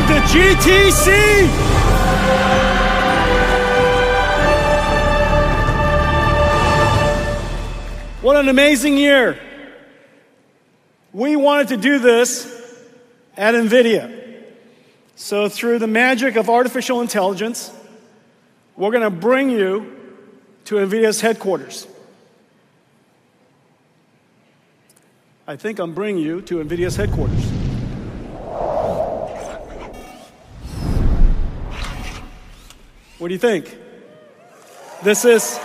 Welcome to GTC! What an amazing year. We wanted to do this at NVIDIA. So, through the magic of artificial intelligence, we're going to bring you to NVIDIA's headquarters. I think I'm bringing you to NVIDIA's headquarters. What do you think? This is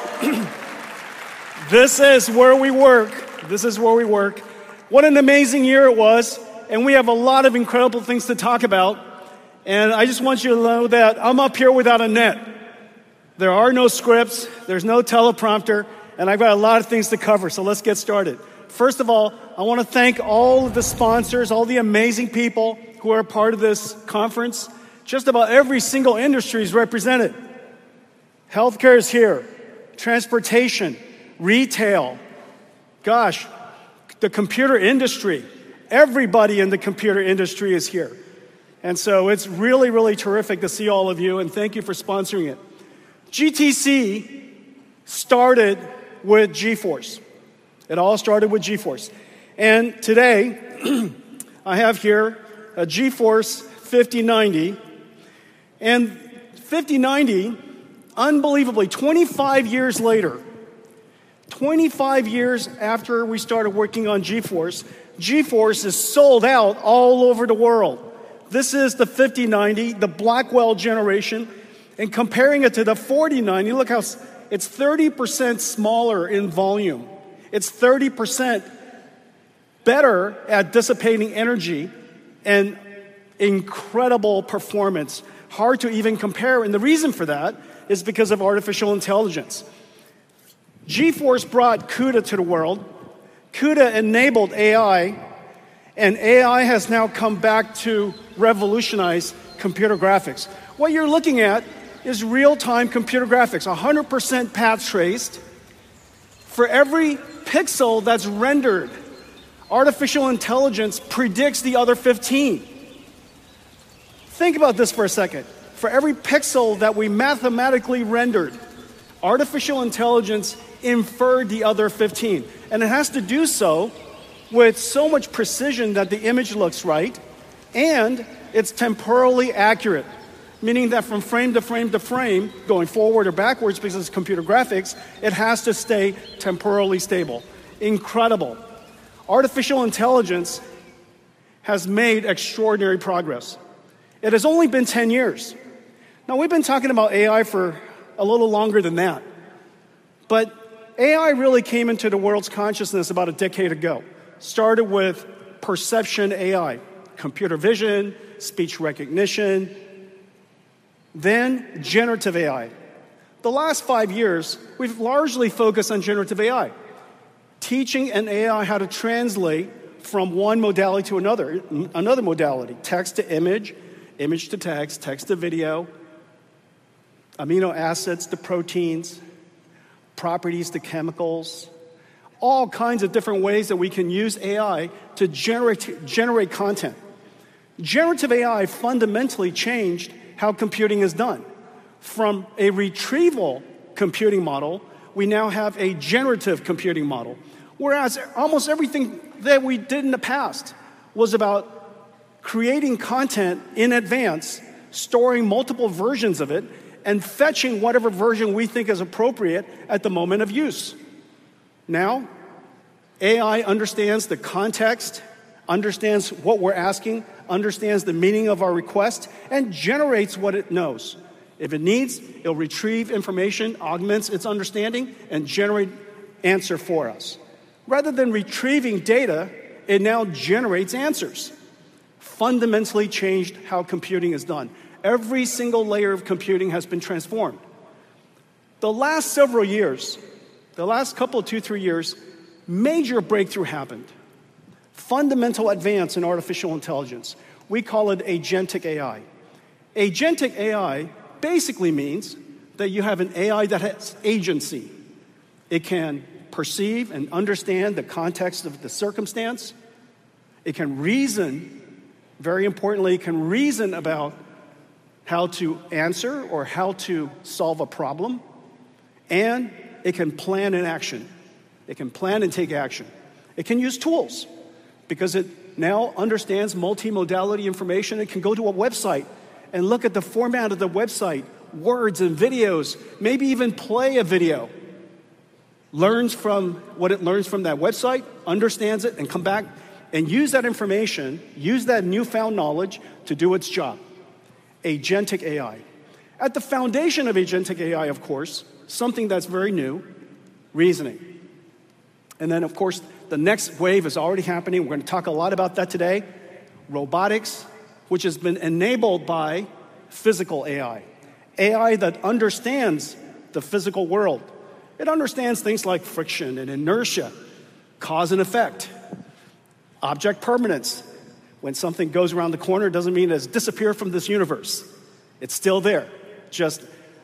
where we work. This is where we work. What an amazing year it was, and we have a lot of incredible things to talk about. And I just want you to know that I'm up here without a net. There are no scripts, there's no teleprompter, and I've got a lot of things to cover. So, let's get started. First of all, I want to thank all the sponsors, all the amazing people who are a part of this conference. Just about every single industry is represented. Healthcare is here. Transportation. Retail. Gosh, the computer industry. Everybody in the computer industry is here. And so, it's really, really terrific to see all of you, and thank you for sponsoring it. GTC started with GeForce. It all started with GeForce. And today, I have here a GeForce 5090. And 5090, unbelievably, 25 years later, 25 years after we started working on GeForce, GeForce is sold out all over the world. This is the 5090, the Blackwell generation. And comparing it to the 4090, look how it's 30% smaller in volume. It's 30% better at dissipating energy and incredible performance. Hard to even compare. And the reason for that is because of artificial intelligence. GeForce brought CUDA to the world. CUDA enabled AI, and AI has now come back to revolutionize computer graphics. What you're looking at is real-time computer graphics, 100% path traced. For every pixel that's rendered, artificial intelligence predicts the other 15. Think about this for a second. For every pixel that we mathematically rendered, artificial intelligence inferred the other 15. And it has to do so with so much precision that the image looks right, and it's temporally accurate. Meaning that from frame to frame to frame, going forward or backwards, because it's computer graphics, it has to stay temporally stable. Incredible. Artificial intelligence has made extraordinary progress. It has only been 10 years. Now, we've been talking about AI for a little longer than that. But AI really came into the world's consciousness about a decade ago. Started with perception AI, computer vision, speech recognition, then generative AI. The last five years, we've largely focused on generative AI, teaching an AI how to translate from one modality to another, another modality, text to image, image to text, text to video, amino acids to proteins, properties to chemicals, all kinds of different ways that we can use AI to generate content. Generative AI fundamentally changed how computing is done. From a retrieval computing model, we now have a generative computing model. Whereas almost everything that we did in the past was about creating content in advance, storing multiple versions of it, and fetching whatever version we think is appropriate at the moment of use. Now, AI understands the context, understands what we're asking, understands the meaning of our request, and generates what it knows. If it needs, it'll retrieve information, augments its understanding, and generate an answer for us. Rather than retrieving data, it now generates answers. Fundamentally changed how computing is done. Every single layer of computing has been transformed. The last several years, the last couple of two, three years, a major breakthrough happened. Fundamental advance in artificial intelligence. We call it agentic AI. Agentic AI basically means that you have an AI that has agency. It can perceive and understand the context of the circumstance. It can reason. Very importantly, it can reason about how to answer or how to solve a problem. And it can plan an action. It can plan and take action. It can use tools because it now understands multimodal information. It can go to a website and look at the format of the website, words and videos, maybe even play a video. Learns from what it learns from that website, understands it, and comes back and uses that information, uses that newfound knowledge to do its job. Agentic AI. At the foundation of agentic AI, of course, something that's very new, reasoning. And then, of course, the next wave is already happening. We're going to talk a lot about that today. Robotics, which has been enabled by physical AI. AI that understands the physical world. It understands things like friction and inertia, cause and effect, object permanence. When something goes around the corner, it doesn't mean it has disappeared from this universe. It's still there, just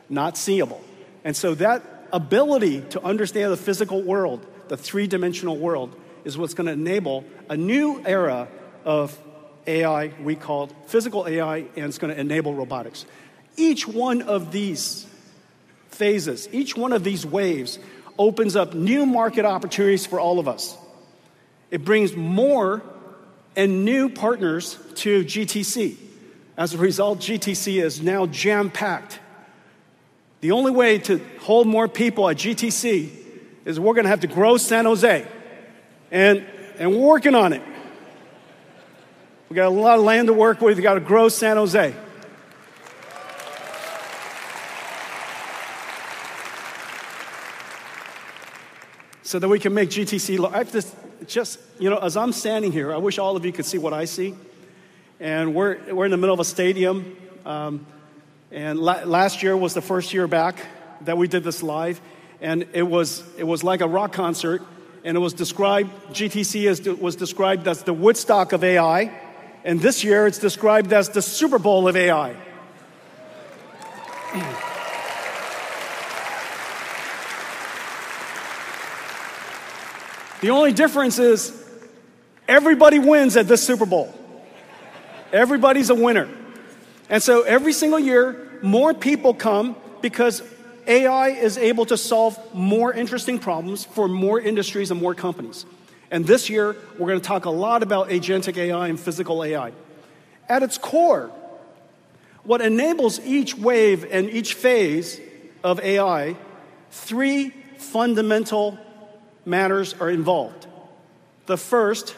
not seeable. And so, that ability to understand the physical world, the three-dimensional world, is what's going to enable a new era of AI we call physical AI, and it's going to enable robotics. Each one of these phases, each one of these waves opens up new market opportunities for all of us. It brings more and new partners to GTC. As a result, GTC is now jam-packed. The only way to hold more people at GTC is we're going to have to grow San Jose, and we're working on it. We've got a lot of land to work with. We've got to grow San Jose so that we can make GTC look just, you know, as I'm standing here, I wish all of you could see what I see, and we're in the middle of a stadium. Last year was the first year back that we did this live. It was like a rock concert. It was described, GTC was described as the Woodstock of AI. This year, it's described as the Super Bowl of AI. The only difference is everybody wins at the Super Bowl. Everybody's a winner, so every single year, more people come because AI is able to solve more interesting problems for more industries and more companies. And this year, we're going to talk a lot about Agentic AI and physical AI. At its core, what enables each wave and each phase of AI, three fundamental matters are involved. The first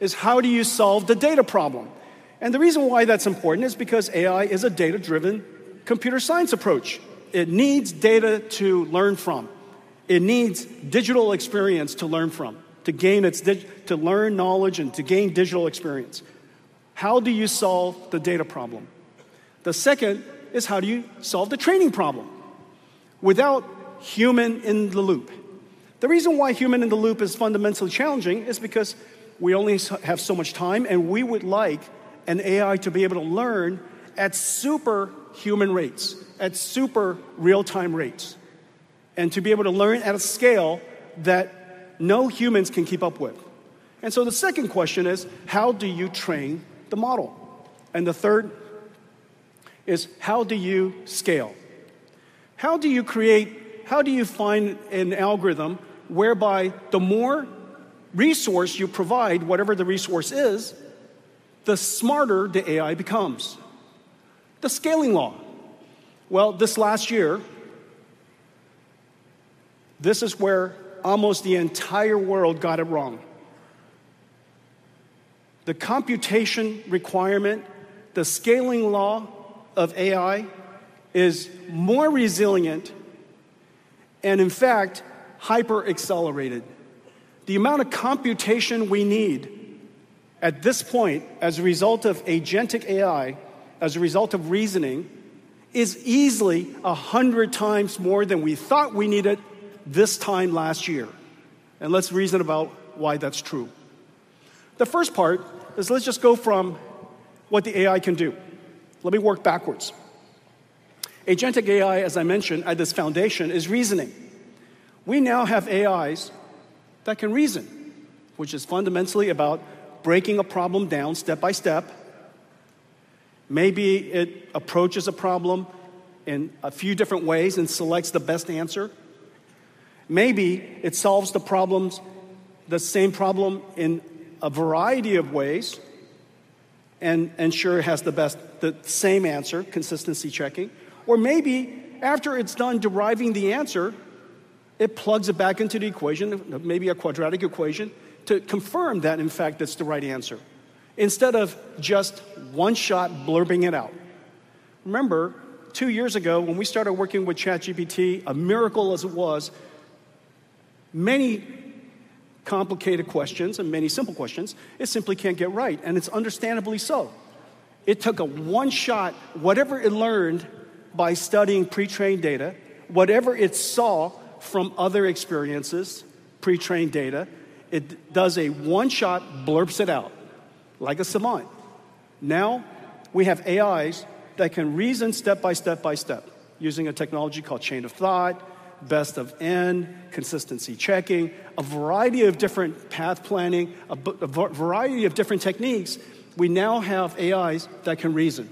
is how do you solve the data problem? And the reason why that's important is because AI is a data-driven computer science approach. It needs data to learn from. It needs digital experience to learn from, to gain its digital knowledge and to gain digital experience. How do you solve the data problem? The second is how do you solve the training problem without human-in-the-loop? The reason why human-in-the-loop is fundamentally challenging is because we only have so much time, and we would like an AI to be able to learn at superhuman rates, at super real-time rates, and to be able to learn at a scale that no humans can keep up with. And so, the second question is how do you train the model? And the third is how do you scale? How do you create, how do you find an algorithm whereby the more resource you provide, whatever the resource is, the smarter the AI becomes? The scaling law. Well, this last year, this is where almost the entire world got it wrong. The computation requirement, the scaling law of AI is more resilient and, in fact, hyper-accelerated. The amount of computation we need at this point, as a result of agentic AI, as a result of reasoning, is easily 100 times more than we thought we needed this time last year. And let's reason about why that's true. The first part is let's just go from what the AI can do. Let me work backwards. Agentic AI, as I mentioned, at this foundation is reasoning. We now have AIs that can reason, which is fundamentally about breaking a problem down step by step. Maybe it approaches a problem in a few different ways and selects the best answer. Maybe it solves the problem, the same problem in a variety of ways and ensures it has the best, the same answer, consistency checking. Or maybe after it's done deriving the answer, it plugs it back into the equation, maybe a quadratic equation, to confirm that, in fact, that's the right answer, instead of just one-shot blurting it out. Remember, two years ago, when we started working with ChatGPT, a miracle as it was, many complicated questions and many simple questions, it simply can't get right. And it's understandably so. It took a one-shot, whatever it learned by studying pre-trained data, whatever it saw from other experiences, pre-trained data, it does a one-shot, blurts it out like a salmon. Now, we have AIs that can reason step by step by step using a technology called chain-of-thought, best-of-N, consistency checking, a variety of different path planning, a variety of different techniques. We now have AIs that can reason,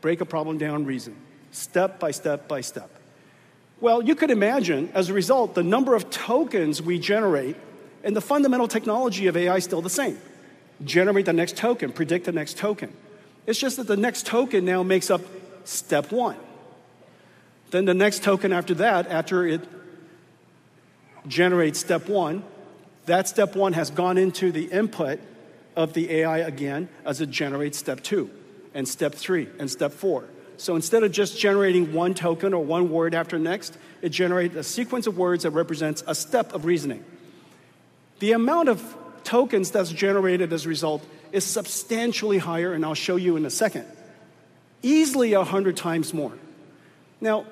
break a problem down, reason step by step by step. Well, you could imagine, as a result, the number of tokens we generate and the fundamental technology of AI is still the same. Generate the next token, predict the next token. It's just that the next token now makes up step one. Then the next token after that, after it generates step one, that step one has gone into the input of the AI again as it generates step two and step three and step four. So instead of just generating one token or one word after next, it generates a sequence of words that represents a step of reasoning. The amount of tokens that's generated as a result is substantially higher, and I'll show you in a second, easily 100 times more. Now,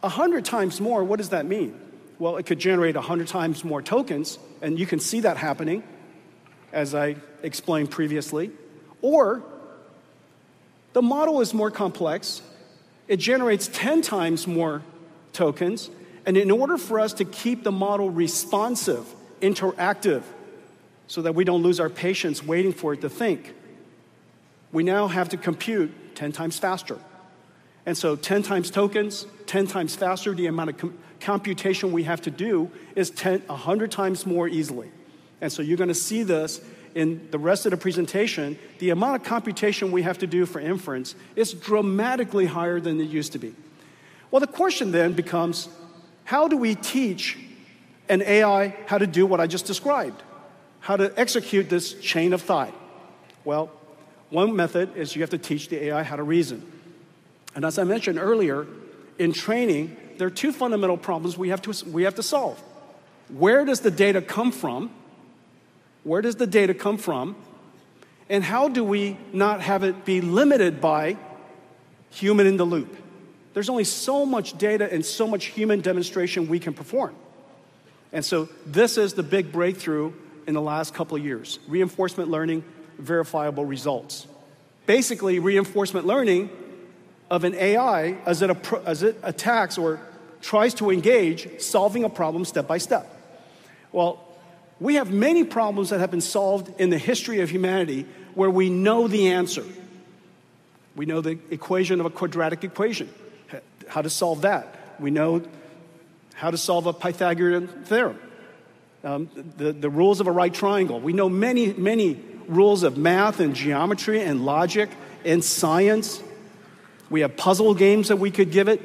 100 times more, what does that mean? Well, it could generate 100 times more tokens, and you can see that happening, as I explained previously. Or the model is more complex. It generates 10 times more tokens. And in order for us to keep the model responsive, interactive, so that we don't lose our patience waiting for it to think, we now have to compute 10 times faster. And so, 10 times tokens, 10 times faster, the amount of computation we have to do is 100 times more easily. And so, you're going to see this in the rest of the presentation. The amount of computation we have to do for inference is dramatically higher than it used to be. Well, the question then becomes, how do we teach an AI how to do what I just described, how to execute this chain of thought? Well, one method is you have to teach the AI how to reason. And as I mentioned earlier, in training, there are two fundamental problems we have to solve. Where does the data come from? Where does the data come from? How do we not have it be limited by human-in-the-loop? There's only so much data and so much human demonstration we can perform. This is the big breakthrough in the last couple of years, reinforcement learning, verifiable results. Basically, reinforcement learning of an AI as it attacks or tries to engage solving a problem step by step. We have many problems that have been solved in the history of humanity where we know the answer. We know the equation of a quadratic equation, how to solve that. We know how to solve a Pythagorean theorem, the rules of a right triangle. We know many, many rules of math and geometry and logic and science. We have puzzle games that we could give it,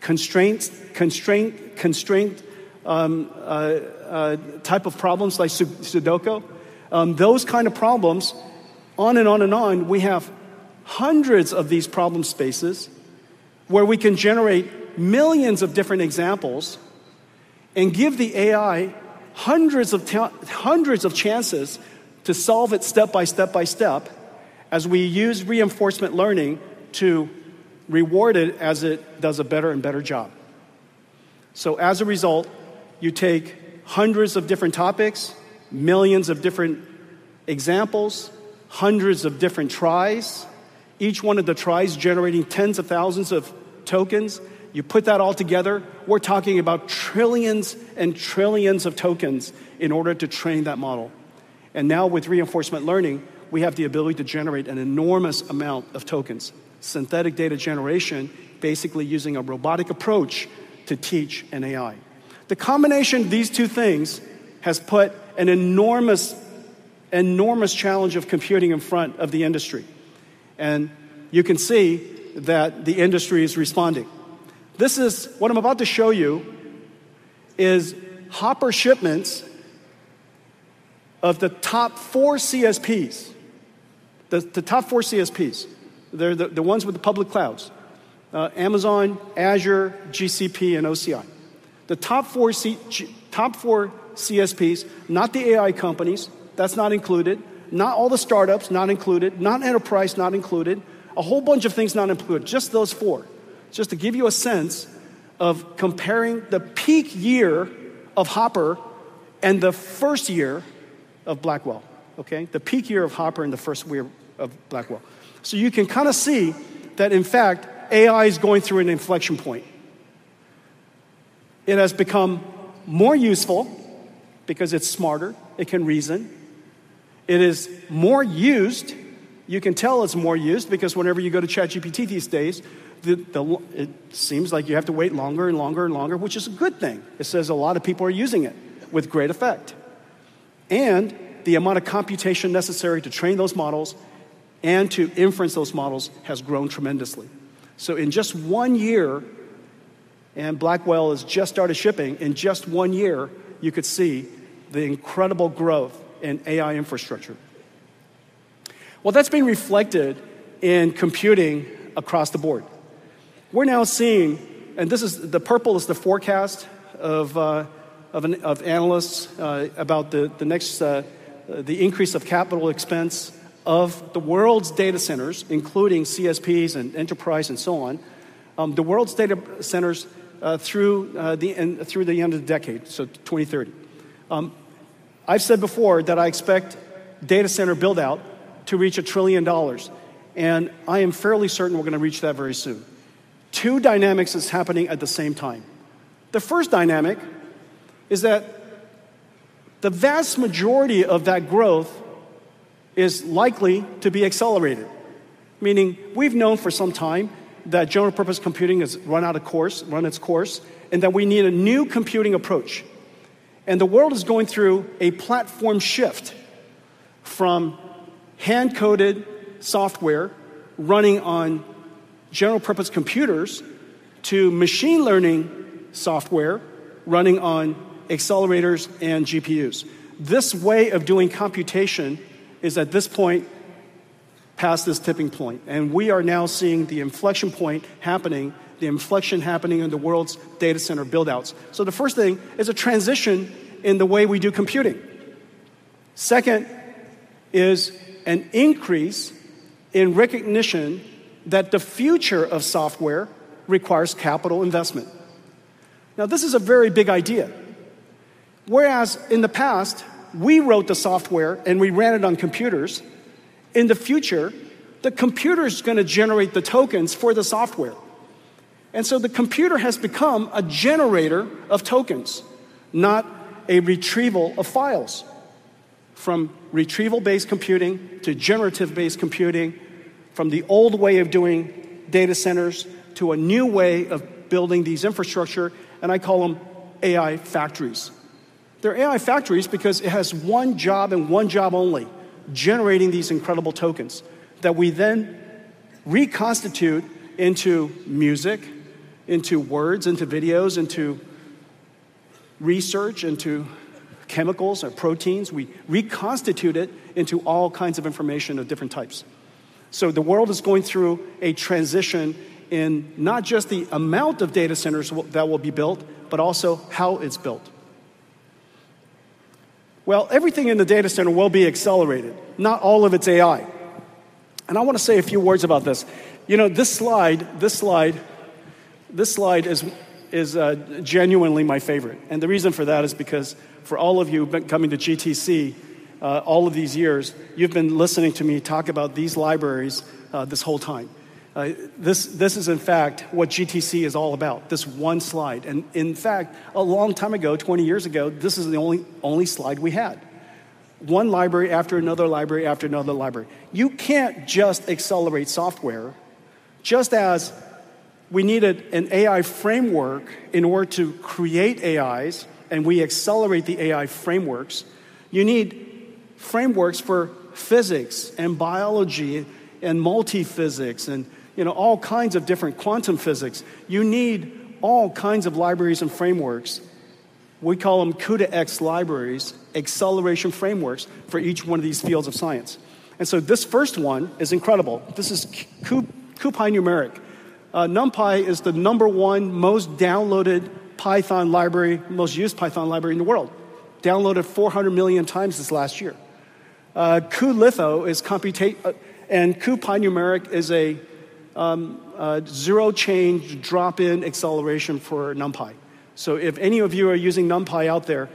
constraint type of problems like Sudoku. Those kinds of problems, on and on and on. We have hundreds of these problem spaces where we can generate millions of different examples and give the AI hundreds of chances to solve it step by step by step as we use reinforcement learning to reward it as it does a better and better job. So, as a result, you take hundreds of different topics, millions of different examples, hundreds of different tries, each one of the tries generating tens of thousands of tokens. You put that all together. We're talking about trillions and trillions of tokens in order to train that model. And now, with reinforcement learning, we have the ability to generate an enormous amount of tokens, synthetic data generation, basically using a robotic approach to teach an AI. The combination of these two things has put an enormous, enormous challenge of computing in front of the industry. You can see that the industry is responding. This is what I'm about to show you is Hopper shipments of the top four CSPs, the top four CSPs, the ones with the public clouds, Amazon, Azure, GCP, and OCI. The top four CSPs, not the AI companies, that's not included, not all the startups, not included, not enterprise, not included, a whole bunch of things not included, just those four, just to give you a sense of comparing the peak year of Hopper and the first year of Blackwell, okay? The peak year of Hopper and the first year of Blackwell. You can kind of see that, in fact, AI is going through an inflection point. It has become more useful because it's smarter. It can reason. It is more used. You can tell it's more used because whenever you go to ChatGPT these days, it seems like you have to wait longer and longer and longer, which is a good thing. It says a lot of people are using it with great effect. And the amount of computation necessary to train those models and to inference those models has grown tremendously. So in just one year, and Blackwell has just started shipping, in just one year, you could see the incredible growth in AI infrastructure. Well, that's been reflected in computing across the board. We're now seeing, and this is the purple is the forecast of analysts about the next, the increase of capital expense of the world's data centers, including CSPs and enterprise and so on, the world's data centers through the end of the decade, so 2030. I've said before that I expect data center buildout to reach $1 trillion, and I am fairly certain we're going to reach that very soon. Two dynamics are happening at the same time. The first dynamic is that the vast majority of that growth is likely to be accelerated, meaning we've known for some time that general purpose computing has run out of cores, run its course, and that we need a new computing approach, and the world is going through a platform shift from hand-coded software running on general purpose computers to machine learning software running on accelerators and GPUs. This way of doing computation is at this point past this tipping point, and we are now seeing the inflection point happening, the inflection happening in the world's data center buildouts, so the first thing is a transition in the way we do computing. Second is an increase in recognition that the future of software requires capital investment. Now, this is a very big idea. Whereas in the past, we wrote the software and we ran it on computers, in the future, the computer is going to generate the tokens for the software. And so the computer has become a generator of tokens, not a retrieval of files from retrieval-based computing to generative-based computing, from the old way of doing data centers to a new way of building these infrastructures. And I call them AI factories. They're AI factories because it has one job and one job only, generating these incredible tokens that we then reconstitute into music, into words, into videos, into research, into chemicals or proteins. We reconstitute it into all kinds of information of different types. The world is going through a transition in not just the amount of data centers that will be built, but also how it's built. Well, everything in the data center will be accelerated, not all of its AI. And I want to say a few words about this. You know, this slide, this slide, this slide is genuinely my favorite. And the reason for that is because for all of you coming to GTC all of these years, you've been listening to me talk about these libraries this whole time. This is, in fact, what GTC is all about, this one slide. And in fact, a long time ago, 20 years ago, this is the only slide we had, one library after another library after another library. You can't just accelerate software. Just as we needed an AI framework in order to create AIs and we accelerate the AI frameworks, you need frameworks for physics and biology and multiphysics and all kinds of different quantum physics. You need all kinds of libraries and frameworks. We call them CUDA-X libraries, acceleration frameworks for each one of these fields of science. So this first one is incredible. This is cuNumeric. NumPy is the number one most downloaded Python library, most used Python library in the world, downloaded 400 million times this last year. cuLitho is computational, and cuNumeric is a zero-change drop-in acceleration for NumPy. So if any of you are using NumPy out there,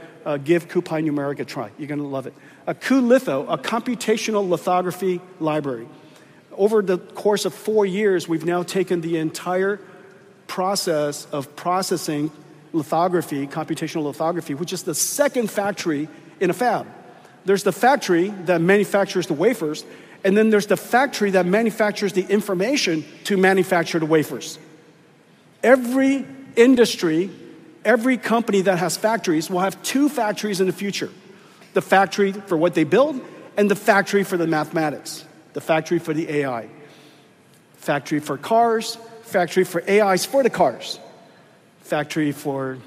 give cuNumeric a try. You're going to love it. cuLitho, a computational lithography library. Over the course of four years, we've now taken the entire process of processing lithography, computational lithography, which is the second factory in a fab. There's the factory that manufactures the wafers, and then there's the factory that manufactures the information to manufacture the wafers. Every industry, every company that has factories will have two factories in the future, the factory for what they build and the factory for the mathematics, the factory for the AI, factory for cars, factory for AIs for the cars, factory for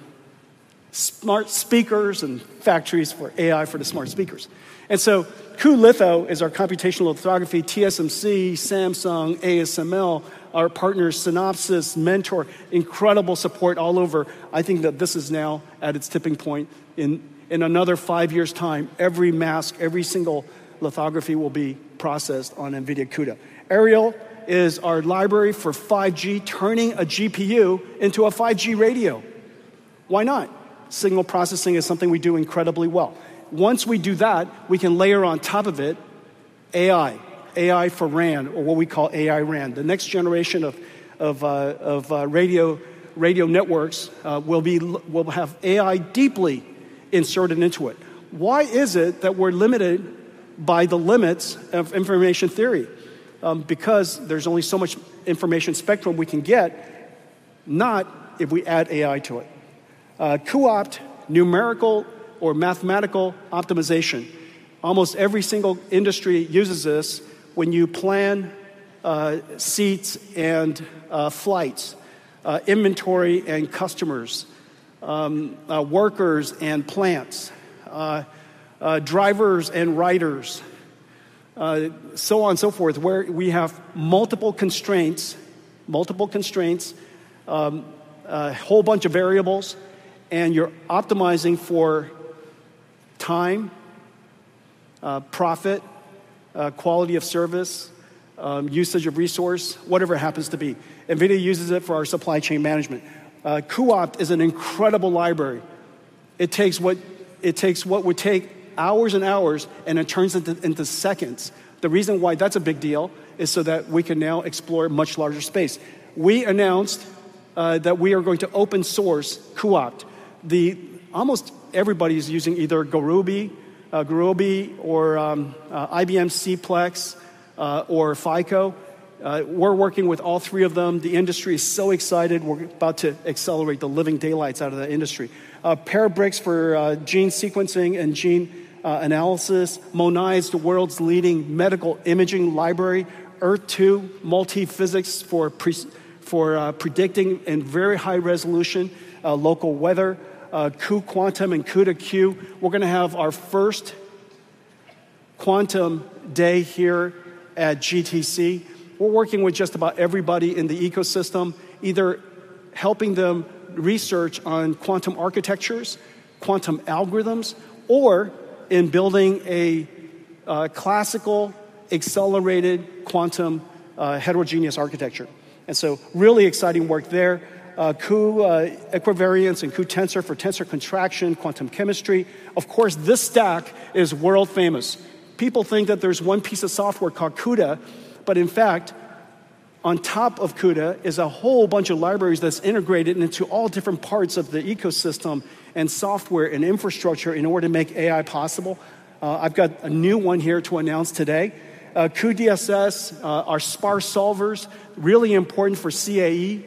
smart speakers, and factories for AI for the smart speakers. And so cuLitho is our computational lithography, TSMC, Samsung, ASML, our partners, Synopsys, Mentor, incredible support all over. I think that this is now at its tipping point. In another five years' time, every mask, every single lithography will be processed on NVIDIA CUDA. Aerial is our library for 5G, turning a GPU into a 5G radio. Why not? Signal processing is something we do incredibly well. Once we do that, we can layer on top of it AI, AI for RAN, or what we call AI-RAN. The next generation of radio networks will have AI deeply inserted into it. Why is it that we're limited by the limits of information theory? Because there's only so much information spectrum we can get, not if we add AI to it. cuOpt, numerical or mathematical optimization. Almost every single industry uses this when you plan seats and flights, inventory and customers, workers and plants, drivers and riders, so on and so forth, where we have multiple constraints, a whole bunch of variables, and you're optimizing for time, profit, quality of service, usage of resource, whatever it happens to be. NVIDIA uses it for our supply chain management. cuOpt is an incredible library. It takes what would take hours and hours, and it turns into seconds. The reason why that's a big deal is so that we can now explore much larger space. We announced that we are going to open source cuOpt. Almost everybody is using either Gurobi or IBM CPLEX or FICO. We're working with all three of them. The industry is so excited. We're about to accelerate the living daylights out of that industry. Parabricks for gene sequencing and gene analysis. MONAI, the world's leading medical imaging library. Earth-2, multiphysics for predicting and very high resolution local weather. cuQuantum and CUDA-Q. We're going to have our first quantum day here at GTC. We're working with just about everybody in the ecosystem, either helping them research on quantum architectures, quantum algorithms, or in building a classical accelerated quantum heterogeneous architecture, and so really exciting work there. cuEquivariance and cuTensor for tensor contraction, quantum chemistry. Of course, this stack is world famous. People think that there's one piece of software called CUDA, but in fact, on top of CUDA is a whole bunch of libraries that's integrated into all different parts of the ecosystem and software and infrastructure in order to make AI possible. I've got a new one here to announce today. cuDSS, our sparse solvers, really important for CAE.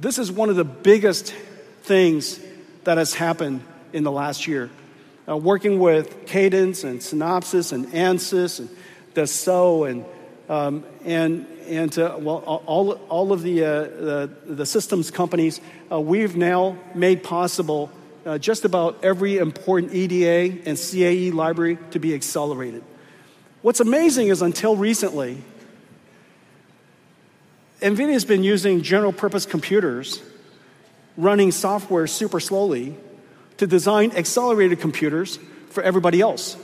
This is one of the biggest things that has happened in the last year. Working with Cadence and Synopsys and Ansys and Dassault and all of the systems companies, we've now made possible just about every important EDA and CAE library to be accelerated. What's amazing is until recently, NVIDIA has been using general purpose computers running software super slowly to design accelerated computers for everybody else.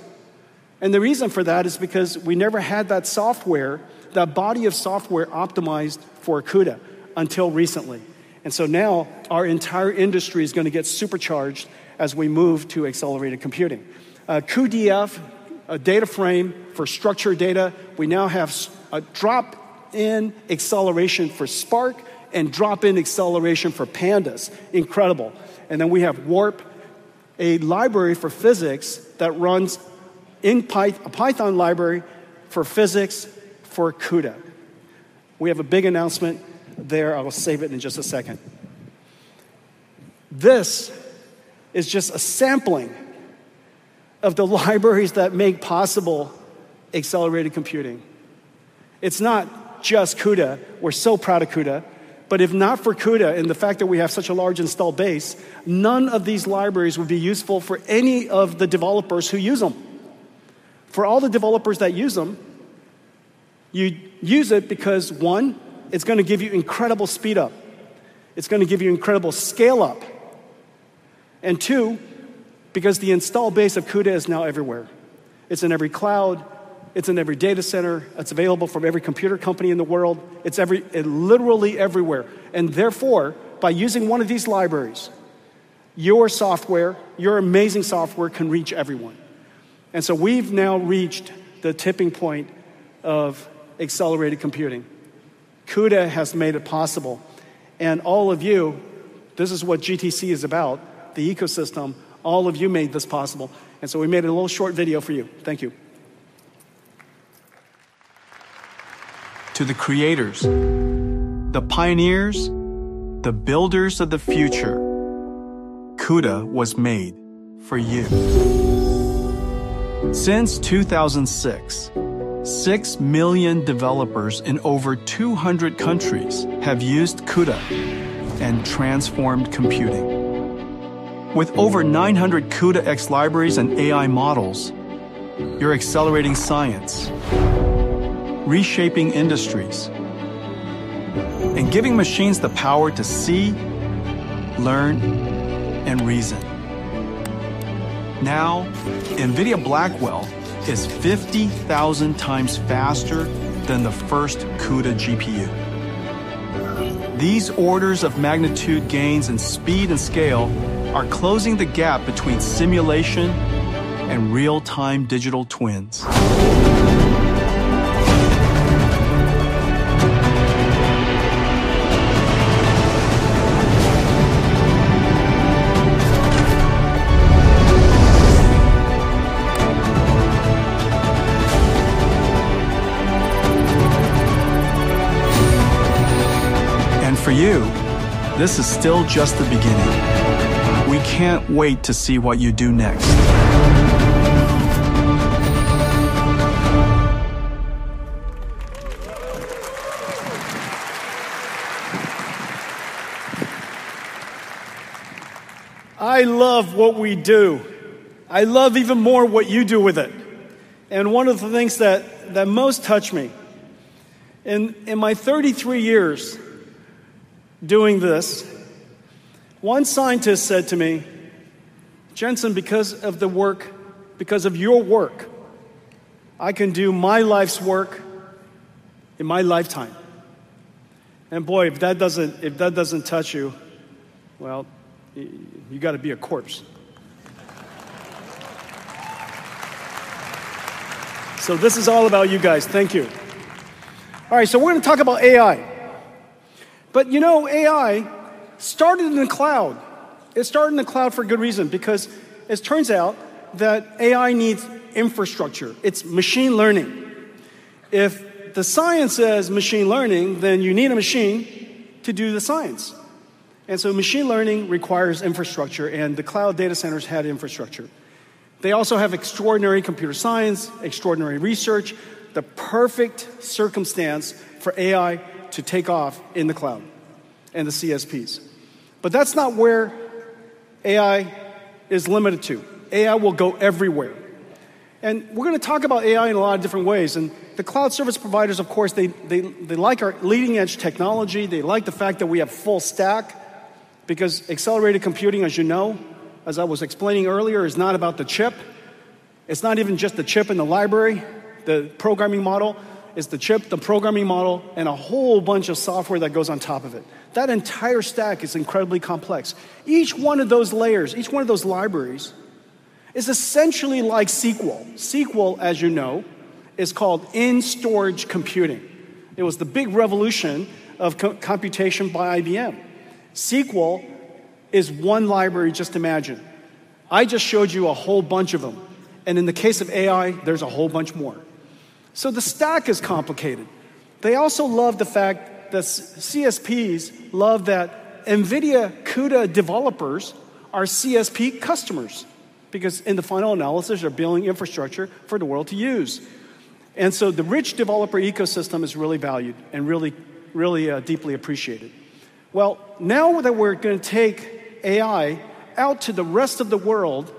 And the reason for that is because we never had that software, that body of software optimized for CUDA until recently. And so now our entire industry is going to get supercharged as we move to accelerated computing. cuDF, a DataFrame for structured data. We now have drop-in acceleration for Spark and drop-in acceleration for Pandas. Incredible. And then we have Warp, a library for physics that runs in Python, a Python library for physics for CUDA. We have a big announcement there. I'll save it in just a second. This is just a sampling of the libraries that make possible accelerated computing. It's not just CUDA. We're so proud of CUDA. But if not for CUDA and the fact that we have such a large install base, none of these libraries would be useful for any of the developers who use them. For all the developers that use them, you use it because, one, it's going to give you incredible speed up. It's going to give you incredible scale up. And two, because the install base of CUDA is now everywhere. It's in every cloud. It's in every data center. It's available from every computer company in the world. It's literally everywhere. And therefore, by using one of these libraries, your software, your amazing software can reach everyone. And so we've now reached the tipping point of accelerated computing. CUDA has made it possible. All of you, this is what GTC is about, the ecosystem. All of you made this possible. So we made a little short video for you. Thank you. To the creators, the pioneers, the builders of the future, CUDA was made for you. Since 2006, six million developers in over 200 countries have used CUDA and transformed computing. With over 900 CUDA-X libraries and AI models, you're accelerating science, reshaping industries, and giving machines the power to see, learn, and reason. Now, NVIDIA Blackwell is 50,000 times faster than the first CUDA GPU. These orders of magnitude gains in speed and scale are closing the gap between simulation and real-time digital twins. For you, this is still just the beginning. We can't wait to see what you do next. I love what we do. I love even more what you do with it. One of the things that most touch me, in my 33 years doing this, one scientist said to me, "Jensen, because of the work, because of your work, I can do my life's work in my lifetime." And boy, if that doesn't touch you, well, you got to be a corpse. So this is all about you guys. Thank you. All right, so we're going to talk about AI. But you know, AI started in the cloud. It started in the cloud for a good reason, because it turns out that AI needs infrastructure. It's machine learning. If the science is machine learning, then you need a machine to do the science. And so machine learning requires infrastructure, and the cloud data centers had infrastructure. They also have extraordinary computer science, extraordinary research, the perfect circumstance for AI to take off in the cloud and the CSPs. But that's not where AI is limited to. AI will go everywhere. And we're going to talk about AI in a lot of different ways. And the cloud service providers, of course, they like our leading-edge technology. They like the fact that we have full stack, because accelerated computing, as you know, as I was explaining earlier, is not about the chip. It's not even just the chip and the library, the programming model. It's the chip, the programming model, and a whole bunch of software that goes on top of it. That entire stack is incredibly complex. Each one of those layers, each one of those libraries is essentially like SQL. SQL, as you know, is called in-storage computing. It was the big revolution of computation by IBM. SQL is one library, just imagine. I just showed you a whole bunch of them. In the case of AI, there's a whole bunch more. The stack is complicated. They also love the fact that CSPs love that NVIDIA CUDA developers are CSP customers, because in the final analysis, they're building infrastructure for the world to use. The rich developer ecosystem is really valued and really deeply appreciated. Now that we're going to take AI out to the rest of the world,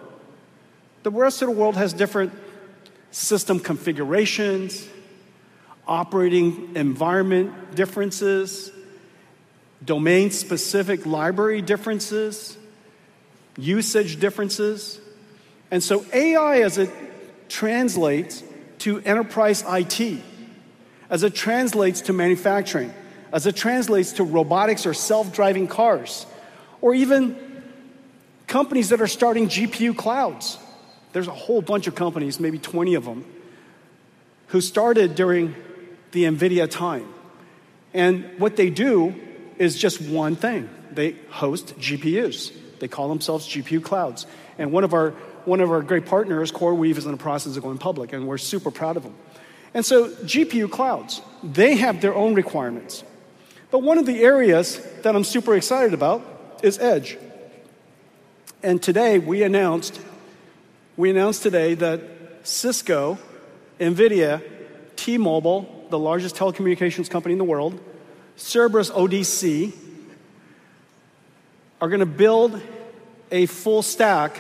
the rest of the world has different system configurations, operating environment differences, domain-specific library differences, usage differences. AI, as it translates to enterprise IT, as it translates to manufacturing, as it translates to robotics or self-driving cars, or even companies that are starting GPU clouds, there's a whole bunch of companies, maybe 20 of them, who started during the NVIDIA time. What they do is just one thing. They host GPUs. They call themselves GPU clouds. And one of our great partners, CoreWeave, is in the process of going public, and we're super proud of them. And so GPU clouds, they have their own requirements. But one of the areas that I'm super excited about is edge. And today we announced today that Cisco, NVIDIA, T-Mobile, the largest telecommunications company in the United States, are going to build a full stack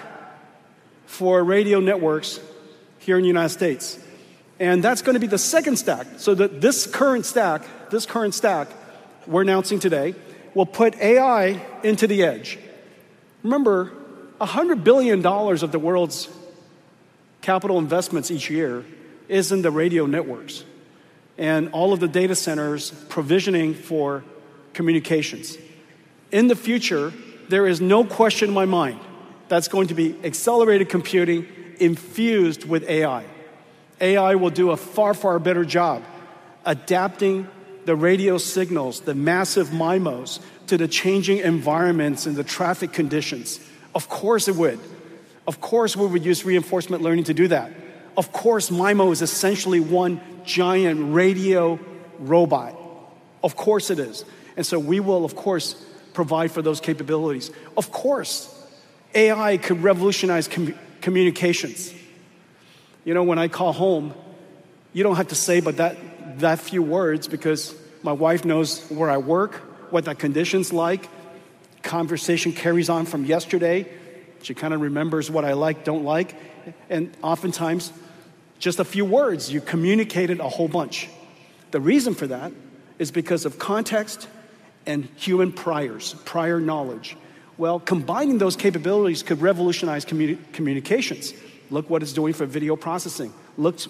for radio networks here in the United States. And that's going to be the second stack. So this current stack, this current stack we're announcing today, will put AI into the edge. Remember, $100 billion of the world's capital investments each year is in the radio networks and all of the data centers provisioning for communications. In the future, there is no question in my mind that's going to be accelerated computing infused with AI. AI will do a far, far better job adapting the radio signals, the massive MIMOs, to the changing environments and the traffic conditions. Of course it would. Of course we would use reinforcement learning to do that. Of course MIMO is essentially one giant radio robot. Of course it is, and so we will, of course, provide for those capabilities. Of course, AI could revolutionize communications. You know, when I call home, you don't have to say but that few words because my wife knows where I work, what that condition's like. Conversation carries on from yesterday. She kind of remembers what I like, don't like, and oftentimes, just a few words, you communicated a whole bunch. The reason for that is because of context and human priors, prior knowledge, well, combining those capabilities could revolutionize communications. Look what it's doing for video processing. Look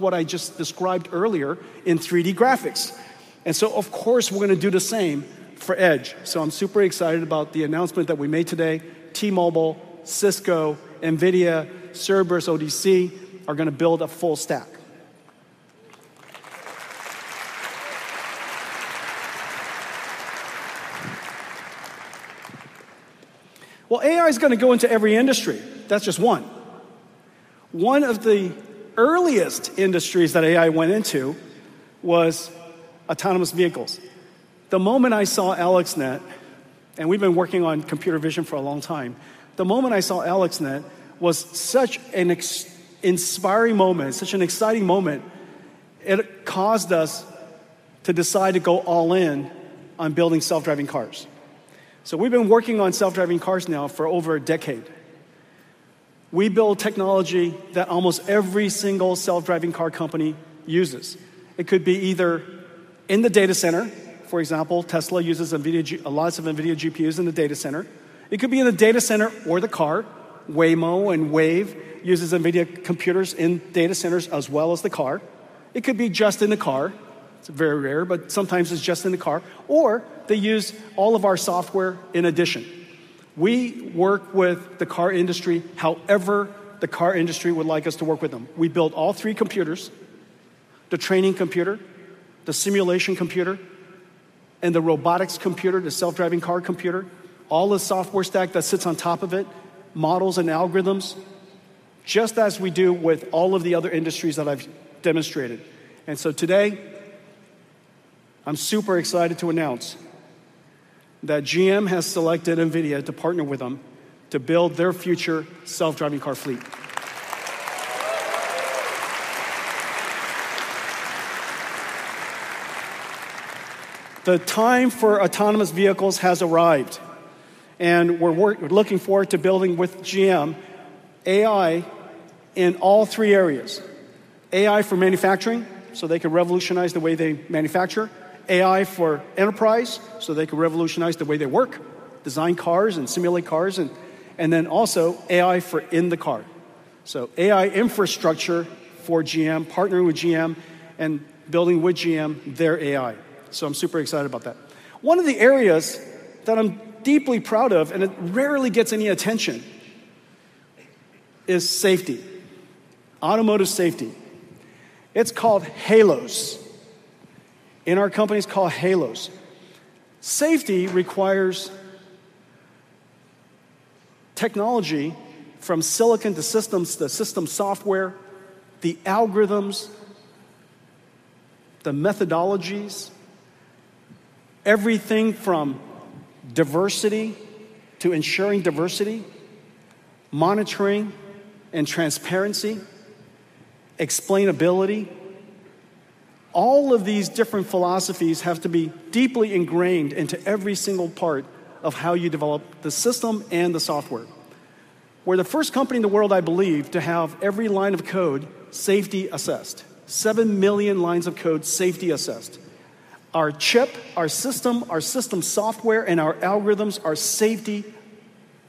what I just described earlier in 3D graphics, and so, of course, we're going to do the same for edge, so I'm super excited about the announcement that we made today. T-Mobile, Cisco, NVIDIA, Cerberus ODC are going to build a full stack, well, AI is going to go into every industry. That's just one. One of the earliest industries that AI went into was autonomous vehicles. The moment I saw AlexNet, and we've been working on computer vision for a long time, the moment I saw AlexNet was such an inspiring moment, such an exciting moment. It caused us to decide to go all in on building self-driving cars, so we've been working on self-driving cars now for over a decade. We build technology that almost every single self-driving car company uses. It could be either in the data center, for example, Tesla uses a lot of NVIDIA GPUs in the data center. It could be in the data center or the car. Waymo and Wayve use NVIDIA computers in data centers as well as the car. It could be just in the car. It's very rare, but sometimes it's just in the car. Or they use all of our software in addition. We work with the car industry however the car industry would like us to work with them. We build all three computers: the training computer, the simulation computer, and the robotics computer, the self-driving car computer, all the software stack that sits on top of it, models and algorithms, just as we do with all of the other industries that I've demonstrated. And so today, I'm super excited to announce that GM has selected NVIDIA to partner with them to build their future self-driving car fleet. The time for autonomous vehicles has arrived, and we're looking forward to building with GM AI in all three areas: AI for manufacturing, so they can revolutionize the way they manufacture; AI for enterprise, so they can revolutionize the way they work, design cars and simulate cars; and then also AI for in the car. So AI infrastructure for GM, partnering with GM and building with GM their AI. So I'm super excited about that. One of the areas that I'm deeply proud of and it rarely gets any attention is safety, automotive safety. It's called Helios. In our company, it's called Helios. Safety requires technology from silicon to systems, the system software, the algorithms, the methodologies, everything from diversity to ensuring diversity, monitoring and transparency, explainability. All of these different philosophies have to be deeply ingrained into every single part of how you develop the system and the software. We're the first company in the world, I believe, to have every line of code safety assessed, seven million lines of code safety assessed. Our chip, our system, our system software, and our algorithms are safety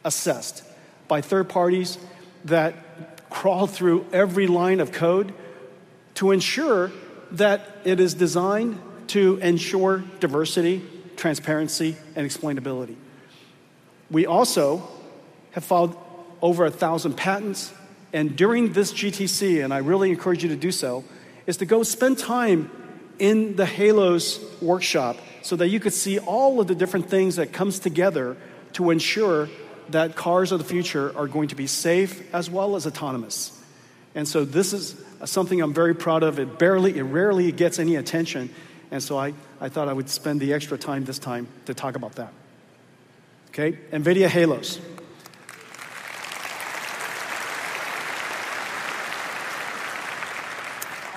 assessed by third parties that crawl through every line of code to ensure that it is designed to ensure diversity, transparency, and explainability. We also have filed over 1,000 patents. And during this GTC, and I really encourage you to do so, is to go spend time in the Helios workshop so that you could see all of the different things that come together to ensure that cars of the future are going to be safe as well as autonomous. And so this is something I'm very proud of. It rarely gets any attention. And so I thought I would spend the extra time this time to talk about that. Okay, NVIDIA Helios.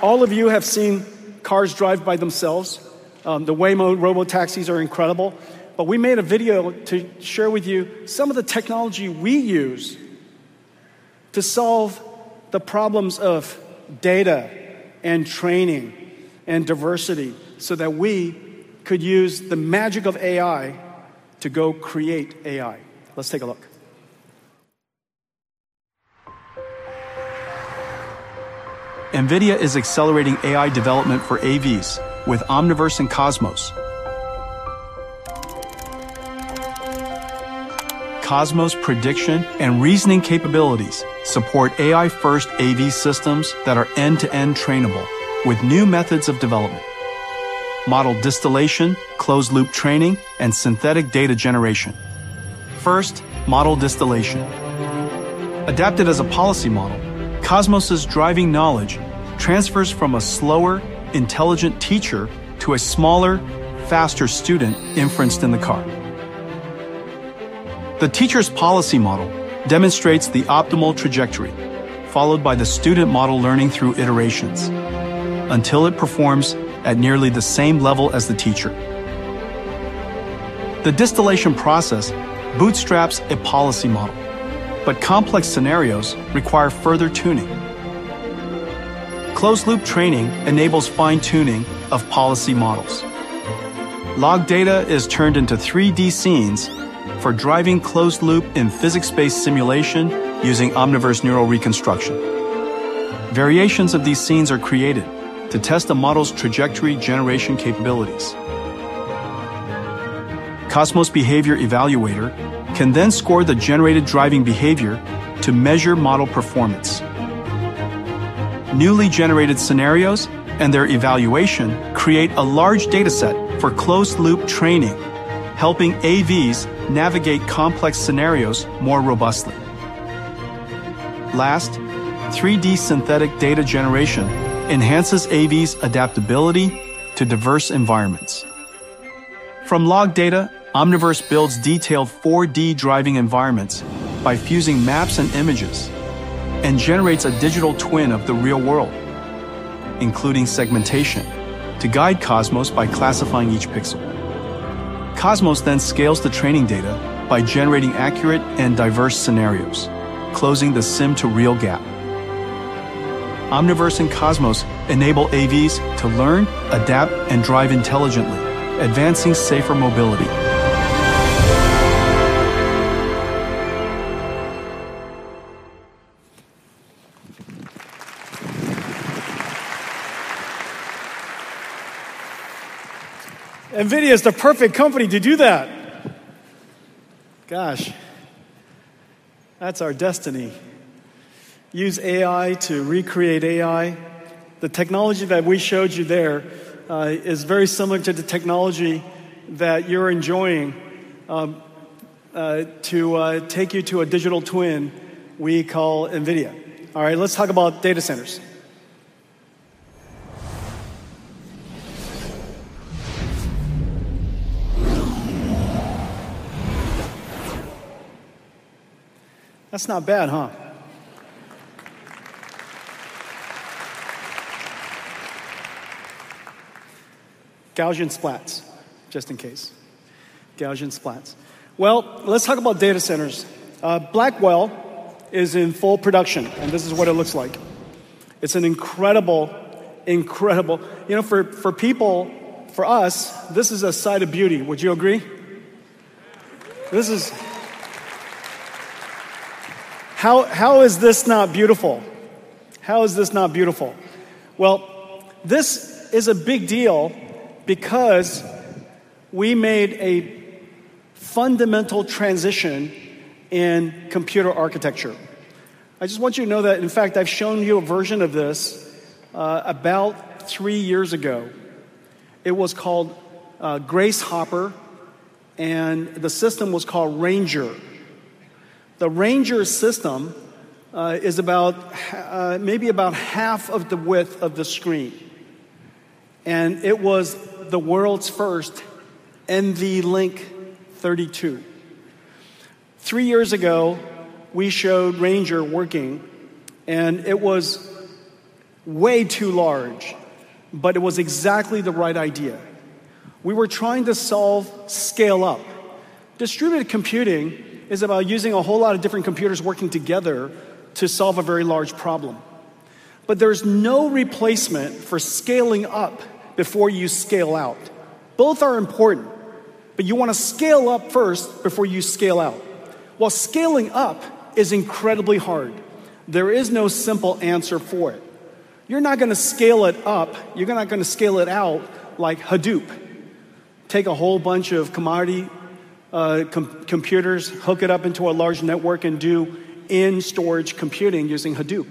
All of you have seen cars drive by themselves. The Waymo Robotaxis are incredible. But we made a video to share with you some of the technology we use to solve the problems of data and training and diversity so that we could use the magic of AI to go create AI. Let's take a look. NVIDIA is accelerating AI development for AVs with Omniverse and Cosmos. Cosmos' prediction and reasoning capabilities support AI-first AV systems that are end-to-end trainable with new methods of development, model distillation, closed-loop training, and synthetic data generation. First, model distillation. Adapted as a policy model, Cosmos' driving knowledge transfers from a slower, intelligent teacher to a smaller, faster student inferenced in the car. The teacher's policy model demonstrates the optimal trajectory followed by the student model learning through iterations until it performs at nearly the same level as the teacher. The distillation process bootstraps a policy model, but complex scenarios require further tuning. Closed-loop training enables fine-tuning of policy models. Log data is turned into 3D scenes for driving closed-loop in physics-based simulation using Omniverse Neural Reconstruction. Variations of these scenes are created to test the model's trajectory generation capabilities. Cosmos Behavior Evaluator can then score the generated driving behavior to measure model performance. Newly generated scenarios and their evaluation create a large dataset for closed-loop training, helping AVs navigate complex scenarios more robustly. Last, 3D synthetic data generation enhances AVs' adaptability to diverse environments. From log data, Omniverse builds detailed 4D driving environments by fusing maps and images and generates a digital twin of the real world, including segmentation, to guide Cosmos by classifying each pixel. Cosmos then scales the training data by generating accurate and diverse scenarios, closing the sim-to-real gap. Omniverse and Cosmos enable AVs to learn, adapt, and drive intelligently, advancing safer mobility. NVIDIA is the perfect company to do that. Gosh, that's our destiny. Use AI to recreate AI. The technology that we showed you there is very similar to the technology that you're enjoying to take you to a digital twin we call Omniverse. All right, let's talk about data centers. That's not bad, huh? Gaussian splats, just in case. Gaussian splats. Let's talk about data centers. Blackwell is in full production, and this is what it looks like. It's an incredible, incredible, you know, for people, for us, this is a sight of beauty. Would you agree? This is. How is this not beautiful? How is this not beautiful? This is a big deal because we made a fundamental transition in computer architecture. I just want you to know that, in fact, I've shown you a version of this about three years ago. It was called Grace Hopper, and the system was called Ranger. The Ranger system is about maybe half of the width of the screen. And it was the world's first NVLink 32. Three years ago, we showed Ranger working, and it was way too large, but it was exactly the right idea. We were trying to solve scale-up. Distributed computing is about using a whole lot of different computers working together to solve a very large problem, but there's no replacement for scaling-up before you scale-out. Both are important, but you want to scale-up first before you scale-out, well, scaling-up is incredibly hard. There is no simple answer for it. You're not going to scale it up. You're not going to scale it out like Hadoop. Take a whole bunch of commodity computers, hook it up into a large network, and do in-storage computing using Hadoop.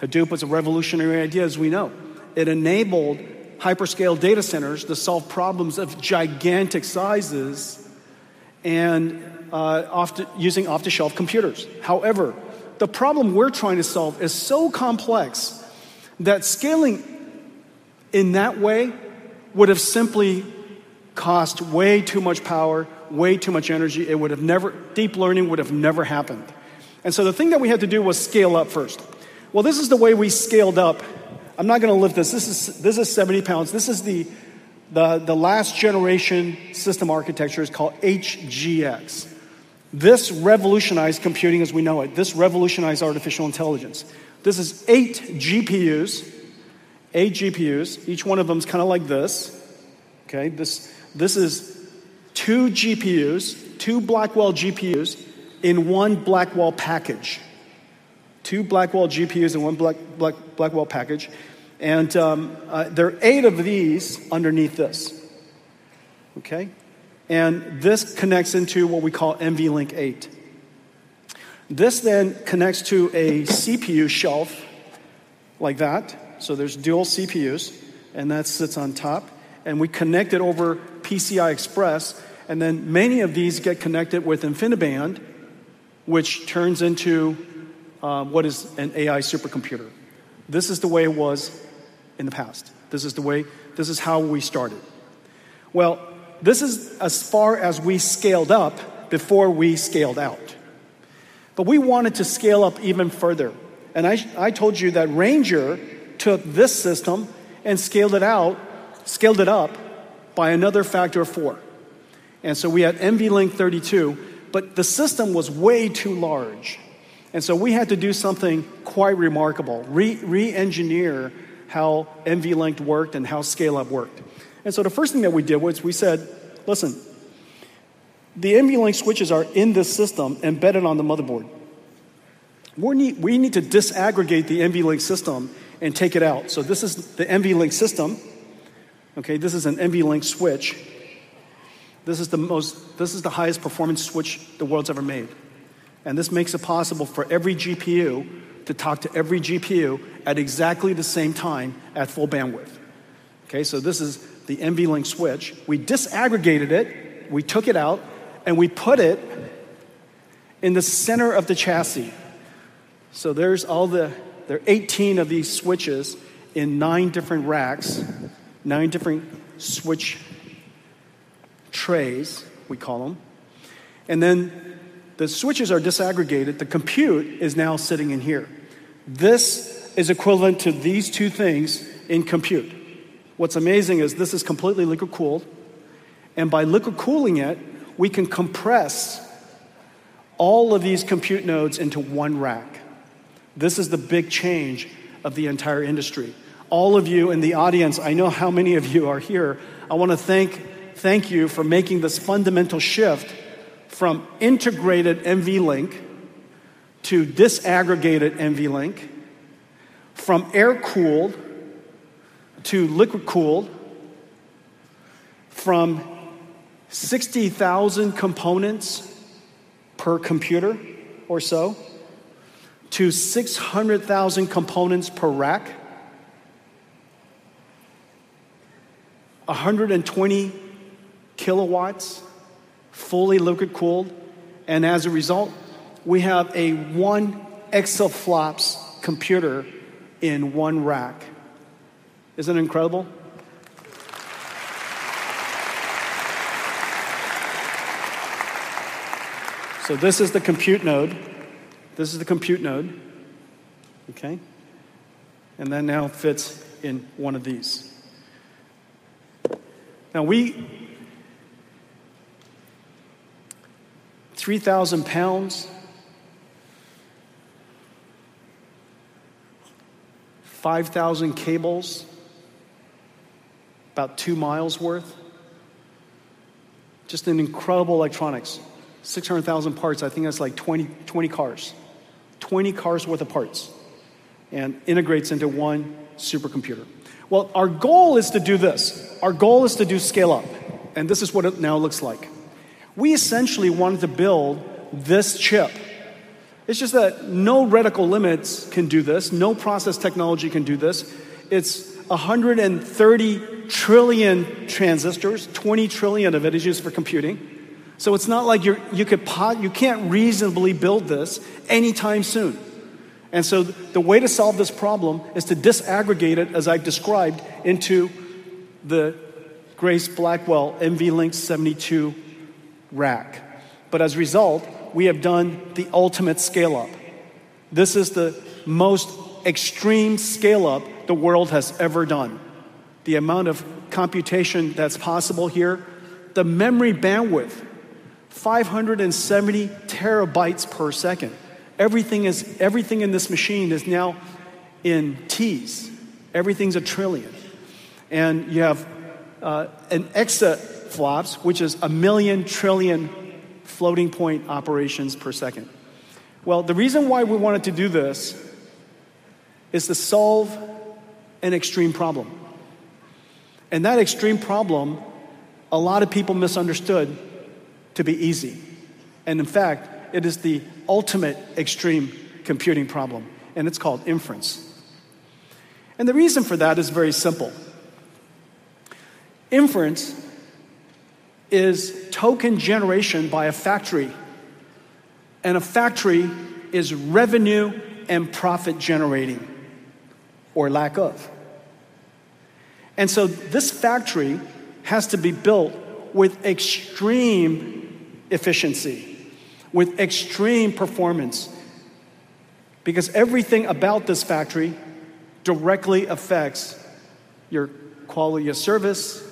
Hadoop was a revolutionary idea, as we know. It enabled hyperscale data centers to solve problems of gigantic sizes and using off-the-shelf computers. However, the problem we're trying to solve is so complex that scaling in that way would have simply cost way too much power, way too much energy. It would have never, deep learning would have never happened. And so the thing that we had to do was scale up first. Well, this is the way we scaled up. I'm not going to lift this. This is 70 lbs. This is the last generation system architecture. It's called HGX. This revolutionized computing as we know it. This revolutionized artificial intelligence. This is eight GPUs. Eight GPUs. Each one of them is kind of like this. Okay, this is two GPUs, two Blackwell GPUs in one Blackwell package. Two Blackwell GPUs in one Blackwell package. And there are eight of these underneath this. Okay, and this connects into what we call NVLink 8. This then connects to a CPU shelf like that. So there's dual CPUs, and that sits on top. And we connect it over PCI Express. Then many of these get connected with InfiniBand, which turns into what is an AI supercomputer. This is the way it was in the past. This is the way, this is how we started. This is as far as we scaled up before we scaled out. We wanted to scale up even further. I told you that Ranger took this system and scaled it out, scaled it up by another factor of four. We had NVLink 32, but the system was way too large. We had to do something quite remarkable, re-engineer how NVLink worked and how scale-up worked. The first thing that we did was we said, "Listen, the NVLink switches are in this system embedded on the motherboard. We need to disaggregate the NVLink system and take it out." This is the NVLink system. Okay, this is an NVLink switch. This is the highest-performance switch the world's ever made. And this makes it possible for every GPU to talk to every GPU at exactly the same time at full bandwidth. Okay, so this is the NVLink switch. We disaggregated it. We took it out, and we put it in the center of the chassis. So there's all the, there are 18 of these switches in nine different racks, nine different switch trays, we call them. And then the switches are disaggregated. The compute is now sitting in here. This is equivalent to these two things in compute. What's amazing is this is completely liquid-cooled. And by liquid-cooling it, we can compress all of these compute nodes into one rack. This is the big change of the entire industry. All of you in the audience, I know how many of you are here. I want to thank you for making this fundamental shift from integrated NVLink to disaggregated NVLink, from air-cooled to liquid-cooled, from 60,000 components per computer or so to 600,000 components per rack, 120 kW fully liquid-cooled, and as a result, we have a one exaFLOPS computer in one rack. Isn't it incredible? So this is the compute node. This is the compute node. Okay, and then now it fits in one of these. Now, we, 3,000 lbs, 5,000 cables, about 2 mi worth. Just an incredible electronics, 600,000 parts. I think that's like 20 cars, 20 cars' worth of parts, and integrates into one supercomputer. Well, our goal is to do this. Our goal is to do scale-up. And this is what it now looks like. We essentially wanted to build this chip. It's just that no reticle limits can do this. No process technology can do this. It's 130 trillion transistors. 20 trillion of it is used for computing, so it's not like you can't reasonably build this anytime soon, and so the way to solve this problem is to disaggregate it, as I've described, into the Grace Blackwell NVL72 rack, but as a result, we have done the ultimate Scale-Up. This is the most extreme Scale-Up the world has ever done. The amount of computation that's possible here, the memory bandwidth, 570 GBps. Everything in this machine is now in T's. Everything's a trillion, and you have an exaFLOPS, which is a million trillion floating-point operations per second. Well, the reason why we wanted to do this is to solve an extreme problem, and that extreme problem, a lot of people misunderstood to be easy. And in fact, it is the ultimate extreme computing problem, and it's called inference. And the reason for that is very simple. Inference is token generation by a factory. And a factory is revenue and profit generating or lack of. And so this factory has to be built with extreme efficiency, with extreme performance, because everything about this factory directly affects your quality of service,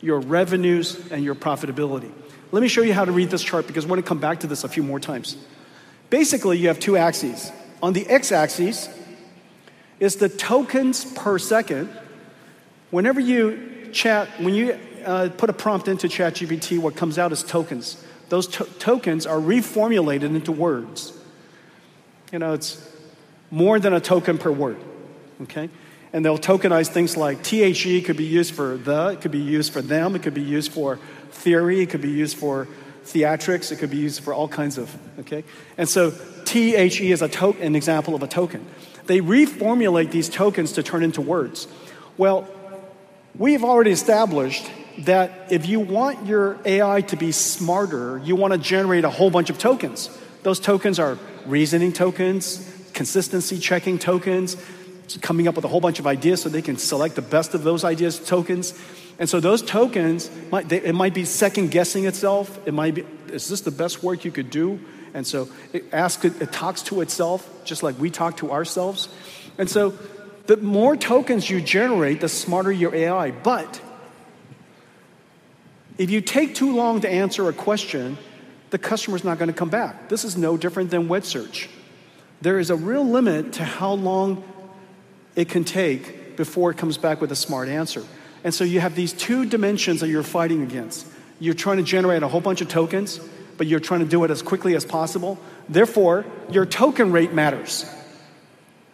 your revenues, and your profitability. Let me show you how to read this chart because I want to come back to this a few more times. Basically, you have two axes. On the x-axis is the tokens per second. Whenever you chat, when you put a prompt into ChatGPT, what comes out is tokens. Those tokens are reformulated into words. You know, it's more than a token per word. Okay, and they'll tokenize things like THE could be used for the, it could be used for them, it could be used for theory, it could be used for theatrics, it could be used for all kinds of, okay. And so THE is an example of a token. They reformulate these tokens to turn into words. Well, we've already established that if you want your AI to be smarter, you want to generate a whole bunch of tokens. Those tokens are reasoning tokens, consistency checking tokens, coming up with a whole bunch of ideas so they can select the best of those ideas as tokens. And so those tokens, it might be second-guessing itself. It might be, "Is this the best work you could do?" And so it asks, it talks to itself, just like we talk to ourselves. And so the more tokens you generate, the smarter your AI. But if you take too long to answer a question, the customer is not going to come back. This is no different than web search. There is a real limit to how long it can take before it comes back with a smart answer. And so you have these two dimensions that you're fighting against. You're trying to generate a whole bunch of tokens, but you're trying to do it as quickly as possible. Therefore, your token rate matters.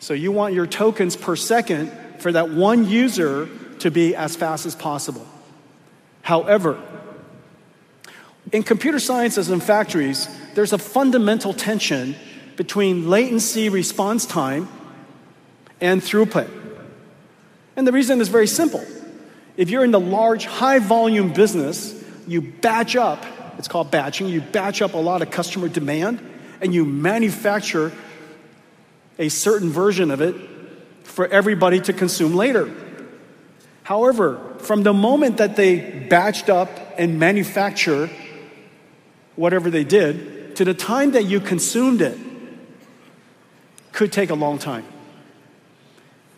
So you want your tokens per second for that one user to be as fast as possible. However, in computer sciences and factories, there's a fundamental tension between latency response time and throughput. And the reason is very simple. If you're in the large, high-volume business, you batch up, it's called batching, you batch up a lot of customer demand, and you manufacture a certain version of it for everybody to consume later. However, from the moment that they batched up and manufactured whatever they did to the time that you consumed it, it could take a long time.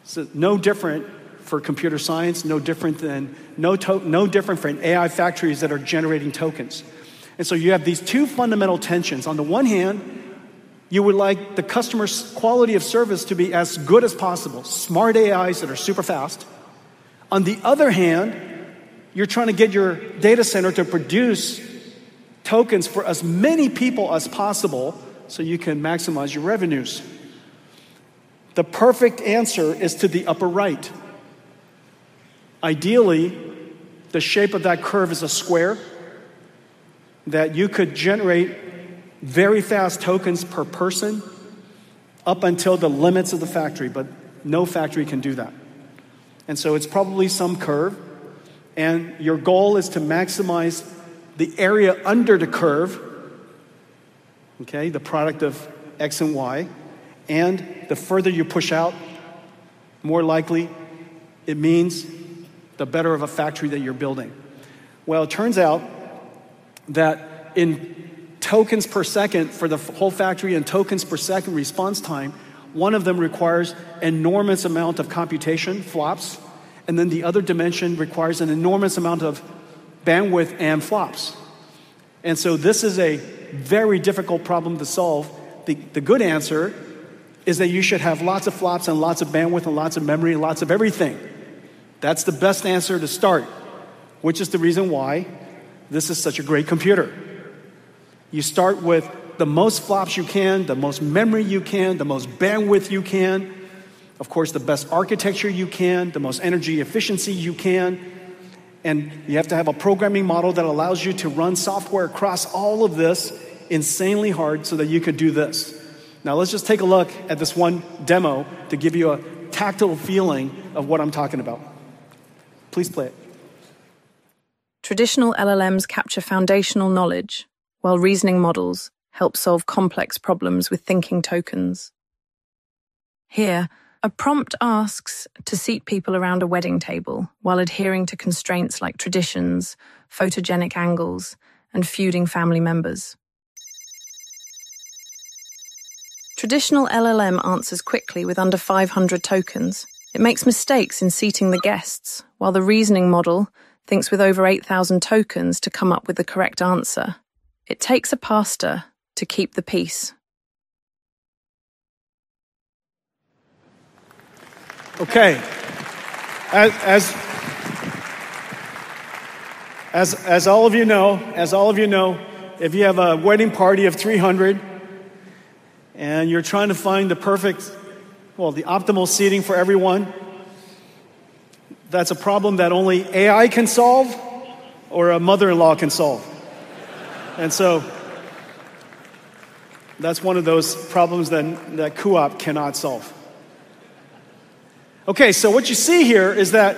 So no different for computer science, no different than for AI factories that are generating tokens. And so you have these two fundamental tensions. On the one hand, you would like the customer's quality of service to be as good as possible, smart AIs that are super fast. On the other hand, you're trying to get your data center to produce tokens for as many people as possible so you can maximize your revenues. The perfect answer is to the upper right. Ideally, the shape of that curve is a square that you could generate very fast tokens per person up until the limits of the factory, but no factory can do that. And so it's probably some curve. And your goal is to maximize the area under the curve, okay, the product of X and Y. And the further you push out, more likely it means the better of a factory that you're building. Well, it turns out that in tokens per second for the whole factory and tokens per second response time, one of them requires an enormous amount of computation, FLOPS. And then the other dimension requires an enormous amount of bandwidth and FLOPS. And so this is a very difficult problem to solve. The good answer is that you should have lots of FLOPS and lots of bandwidth and lots of memory and lots of everything. That's the best answer to start, which is the reason why this is such a great computer. You start with the most FLOPS you can, the most memory you can, the most bandwidth you can, of course, the best architecture you can, the most energy efficiency you can. And you have to have a programming model that allows you to run software across all of this insanely hard so that you could do this. Now, let's just take a look at this one demo to give you a tactile feeling of what I'm talking about. Please play it. Traditional LLMs capture foundational knowledge, while reasoning models help solve complex problems with thinking tokens. Here, a prompt asks to seat people around a wedding table while adhering to constraints like traditions, photogenic angles, and feuding family members. Traditional LLM answers quickly with under 500 tokens. It makes mistakes in seating the guests, while the reasoning model thinks with over 8,000 tokens to come up with the correct answer. It takes a pastor to keep the peace. Okay, as all of you know, if you have a wedding party of 300 and you're trying to find the perfect, well, the optimal seating for everyone, that's a problem that only AI can solve or a mother-in-law can solve. So that's one of those problems that cuOpt cannot solve. Okay, so what you see here is that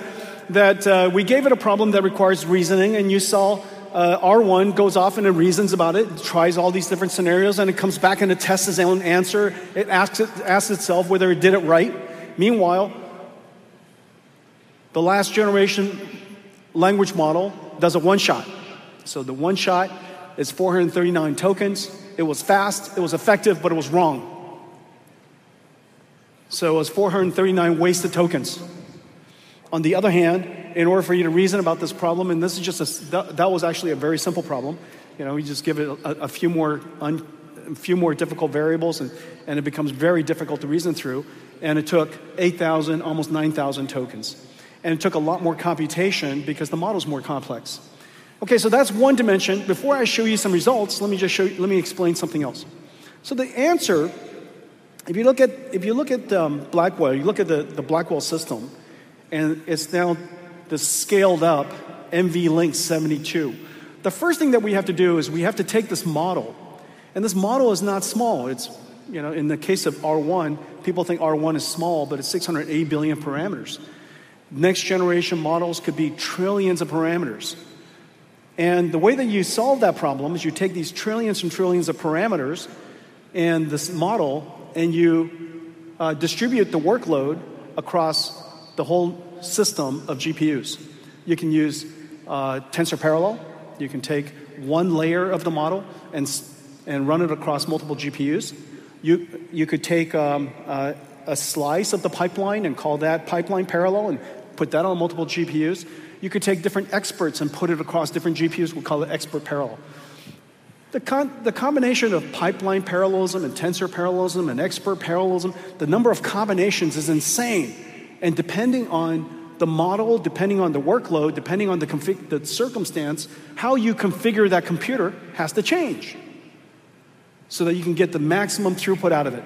we gave it a problem that requires reasoning, and you saw R1 goes off and it reasons about it, tries all these different scenarios, and it comes back and it tests its own answer. It asks itself whether it did it right. Meanwhile, the last generation language model does a one-shot. So the one-shot is 439 tokens. It was fast, it was effective, but it was wrong. So it was 439 wasted tokens. On the other hand, in order for you to reason about this problem, and this is just a, that was actually a very simple problem. You know, you just give it a few more difficult variables, and it becomes very difficult to reason through. And it took 8,000, almost 9,000 tokens. And it took a lot more computation because the model's more complex. Okay, so that's one dimension. Before I show you some results, let me just show you, let me explain something else. So the answer, if you look at Blackwell, you look at the Blackwell system, and it's now the scaled-up NVLink 72. The first thing that we have to do is we have to take this model. And this model is not small. It's, you know, in the case of R1, people think R1 is small, but it's 680 billion parameters. Next-generation models could be trillions of parameters. The way that you solve that problem is you take these trillions and trillions of parameters and this model, and you distribute the workload across the whole system of GPUs. You can use Tensor Parallel. You can take one layer of the model and run it across multiple GPUs. You could take a slice of the pipeline and call that Pipeline Parallel and put that on multiple GPUs. You could take different experts and put it across different GPUs. We'll call it Expert Parallel. The combination of Pipeline Parallelism and Tensor Parallelism and Expert Parallelism, the number of combinations is insane. Depending on the model, depending on the workload, depending on the circumstance, how you configure that computer has to change so that you can get the maximum throughput out of it.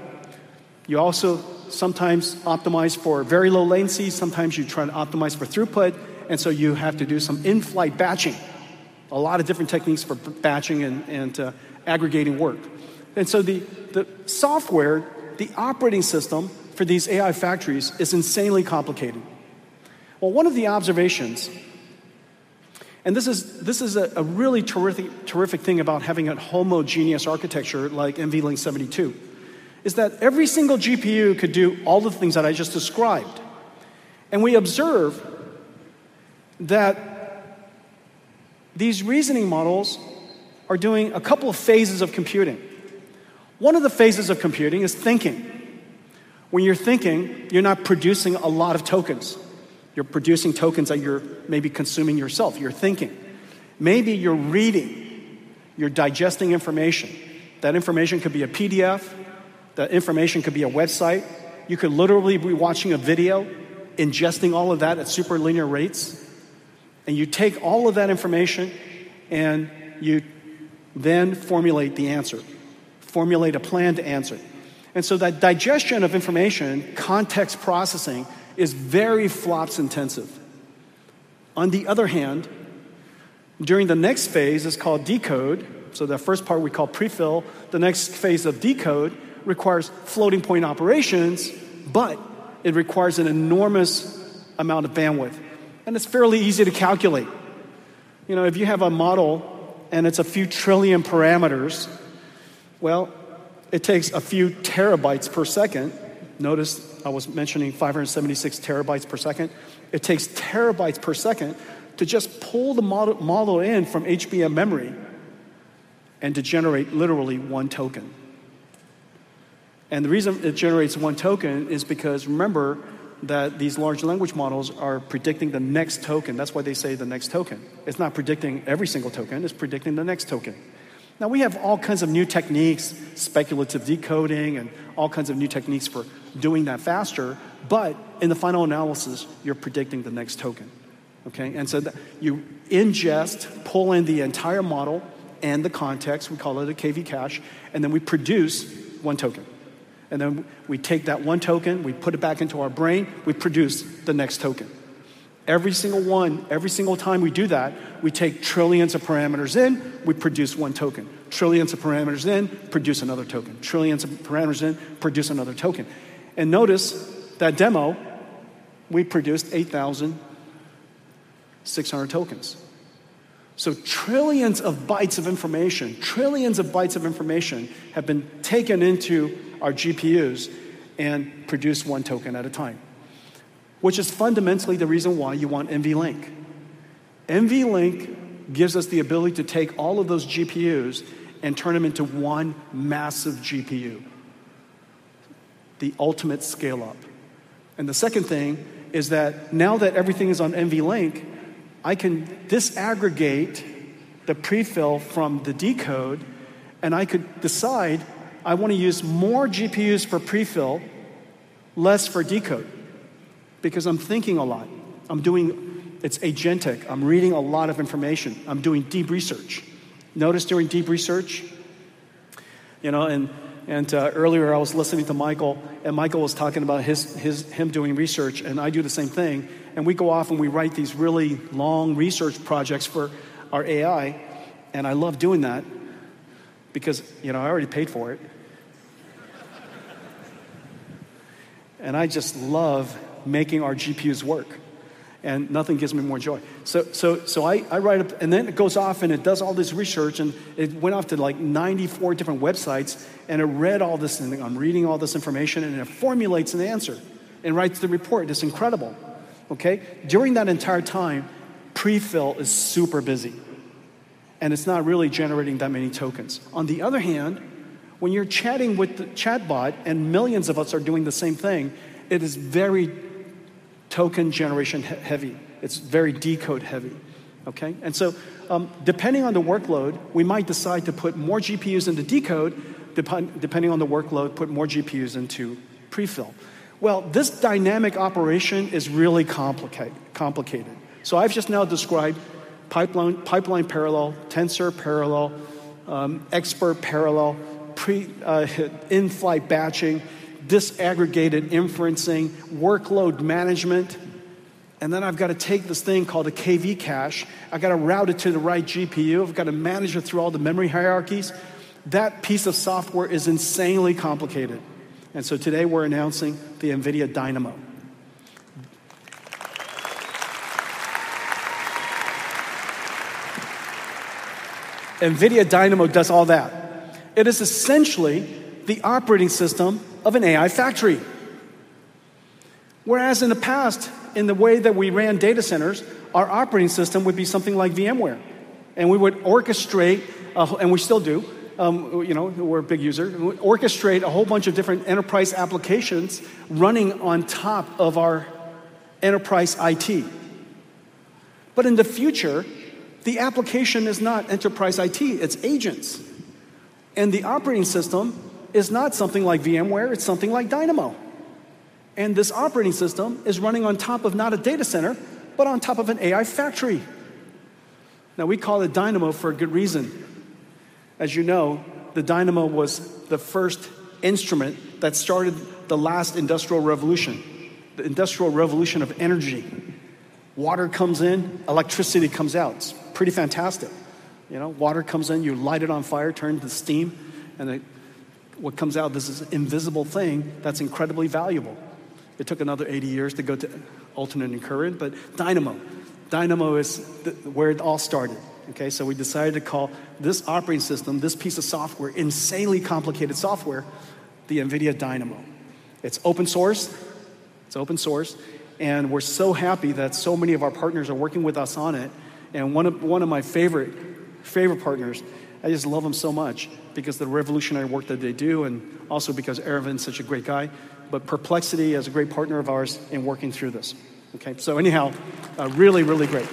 You also sometimes optimize for very low latency. Sometimes you try to optimize for throughput. You have to do some in-flight batching, a lot of different techniques for batching and aggregating work. The software, the operating system for these AI factories, is insanely complicated. One of the observations, and this is a really terrific thing about having a homogeneous architecture like NVLink 72, is that every single GPU could do all the things that I just described. We observe that these reasoning models are doing a couple of phases of computing. One of the phases of computing is thinking. When you're thinking, you're not producing a lot of tokens. You're producing tokens that you're maybe consuming yourself. You're thinking. Maybe you're reading, you're digesting information. That information could be a PDF. That information could be a website. You could literally be watching a video, ingesting all of that at superlinear rates. And you take all of that information and you then formulate the answer, formulate a plan to answer. And so that digestion of information, context processing, is very FLOPS intensive. On the other hand, during the next phase, it's called decode. So the first part we call prefill. The next phase of decode requires floating-point operations, but it requires an enormous amount of bandwidth. And it's fairly easy to calculate. You know, if you have a model and it's a few trillion parameters, well, it takes a few terabytes per second. Notice I was mentioning 576 Tbps. It takes terabytes per second to just pull the model in from HBM memory and to generate literally one token. And the reason it generates one token is because, remember, that these large language models are predicting the next token. That's why they say the next token. It's not predicting every single token. It's predicting the next token. Now, we have all kinds of new techniques, speculative decoding, and all kinds of new techniques for doing that faster, but in the final analysis, you're predicting the next token. Okay, and so you ingest, pull in the entire model and the context. We call it a KV cache. And then we produce one token. And then we take that one token, we put it back into our brain, we produce the next token. Every single one, every single time we do that, we take trillions of parameters in, we produce one token. Trillions of parameters in, produce another token. Trillions of parameters in, produce another token, and notice that demo, we produced 8,600 tokens. So trillions of bytes of information, trillions of bytes of information have been taken into our GPUs and produced one token at a time, which is fundamentally the reason why you want NVLink. NVLink gives us the ability to take all of those GPUs and turn them into one massive GPU, the ultimate scale-up. And the second thing is that now that everything is on NVLink, I can disaggregate the prefill from the decode, and I could decide I want to use more GPUs for prefill, less for decode, because I'm thinking a lot. I'm doing. It's agentic. I'm reading a lot of information. I'm doing deep research. Notice during deep research, you know, and earlier I was listening to Michael, and Michael was talking about him doing research, and I do the same thing. And we go off and we write these really long research projects for our AI. I love doing that because, you know, I already paid for it. I just love making our GPUs work. Nothing gives me more joy. I write up, and then it goes off and it does all this research, and it went off to like 94 different websites, and it read all this, and I'm reading all this information, and it formulates an answer and writes the report. It's incredible. Okay, during that entire time, prefill is super busy, and it's not really generating that many tokens. On the other hand, when you're chatting with the chatbot and millions of us are doing the same thing, it is very token generation heavy. It's very decode heavy. Okay, and so depending on the workload, we might decide to put more GPUs into decode. Depending on the workload, put more GPUs into prefill. Well, this dynamic operation is really complicated. So I've just now described Pipeline Parallel, Tensor Parallel, Expert Parallel, in-flight batching, disaggregated inferencing, workload management. And then I've got to take this thing called a KV cache. I've got to route it to the right GPU. I've got to manage it through all the memory hierarchies. That piece of software is insanely complicated. And so today we're announcing the NVIDIA Dynamo. NVIDIA Dynamo does all that. It is essentially the operating system of an AI factory. Whereas in the past, in the way that we ran data centers, our operating system would be something like VMware. And we would orchestrate, and we still do. You know, we're a big user. We would orchestrate a whole bunch of different enterprise applications running on top of our enterprise IT. But in the future, the application is not enterprise IT. It's agents. The operating system is not something like VMware. It's something like Dynamo. And this operating system is running on top of not a data center, but on top of an AI factory. Now, we call it Dynamo for a good reason. As you know, the Dynamo was the first instrument that started the last industrial revolution, the industrial revolution of energy. Water comes in, electricity comes out. It's pretty fantastic. You know, water comes in, you light it on fire, turns to steam, and what comes out is this invisible thing that's incredibly valuable. It took another 80 years to go to alternating current, but Dynamo. Dynamo is where it all started. Okay, so we decided to call this operating system, this piece of software, insanely complicated software, the NVIDIA Dynamo. It's open source. It's open source. We're so happy that so many of our partners are working with us on it. One of my favorite partners, I just love them so much because of the revolutionary work that they do, and also because Aravind's such a great guy. Perplexity is a great partner of ours in working through this. Okay, so anyhow, really, really great.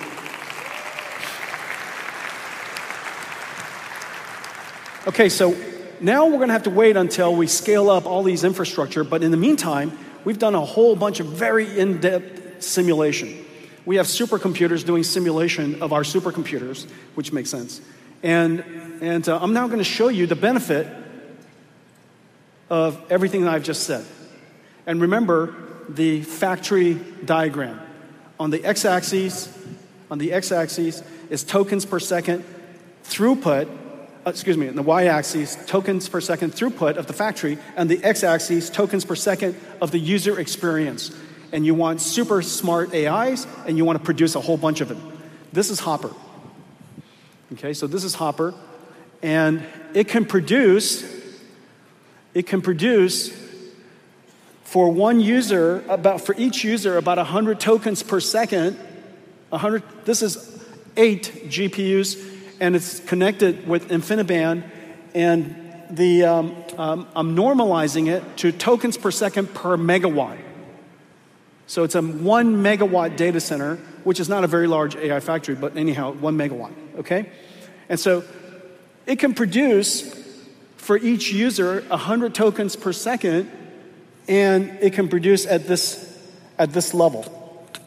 Okay, so now we're going to have to wait until we scale up all these infrastructure. In the meantime, we've done a whole bunch of very in-depth simulation. We have supercomputers doing simulation of our supercomputers, which makes sense. I'm now going to show you the benefit of everything that I've just said. Remember the factory diagram. On the X axis, on the X axis is tokens per second throughput. Excuse me, on the Y axis, tokens per second throughput of the factory, and the X axis, tokens per second of the user experience. And you want super smart AIs, and you want to produce a whole bunch of them. This is Hopper. Okay, so this is Hopper. And it can produce, it can produce for one user, about for each user, about 100 tokens per second. This is eight GPUs, and it's connected with InfiniBand. And I'm normalizing it to tokens per second per megawatt. So it's a one megawatt data center, which is not a very large AI factory, but anyhow, one megawatt. Okay, and so it can produce for each user 100 tokens per second, and it can produce at this level,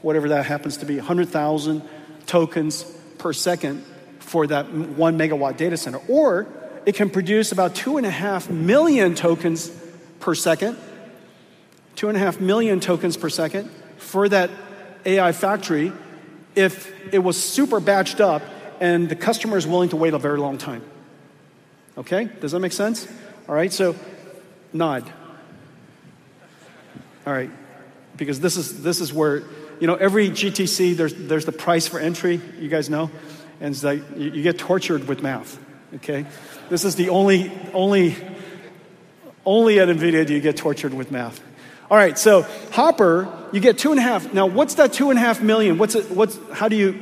whatever that happens to be, 100,000 tokens per second for that one megawatt data center. Or it can produce about two and a half million tokens per second, two and a half million tokens per second for that AI factory if it was super batched up and the customer is willing to wait a very long time. Okay, does that make sense? All right, so nod. All right, because this is where, you know, every GTC, there's the price for entry, you guys know, and it's like you get tortured with math. Okay, this is the only, only at NVIDIA do you get tortured with math. All right, so Hopper, you get two and a half. Now, what's that two and a half million? What's it? How do you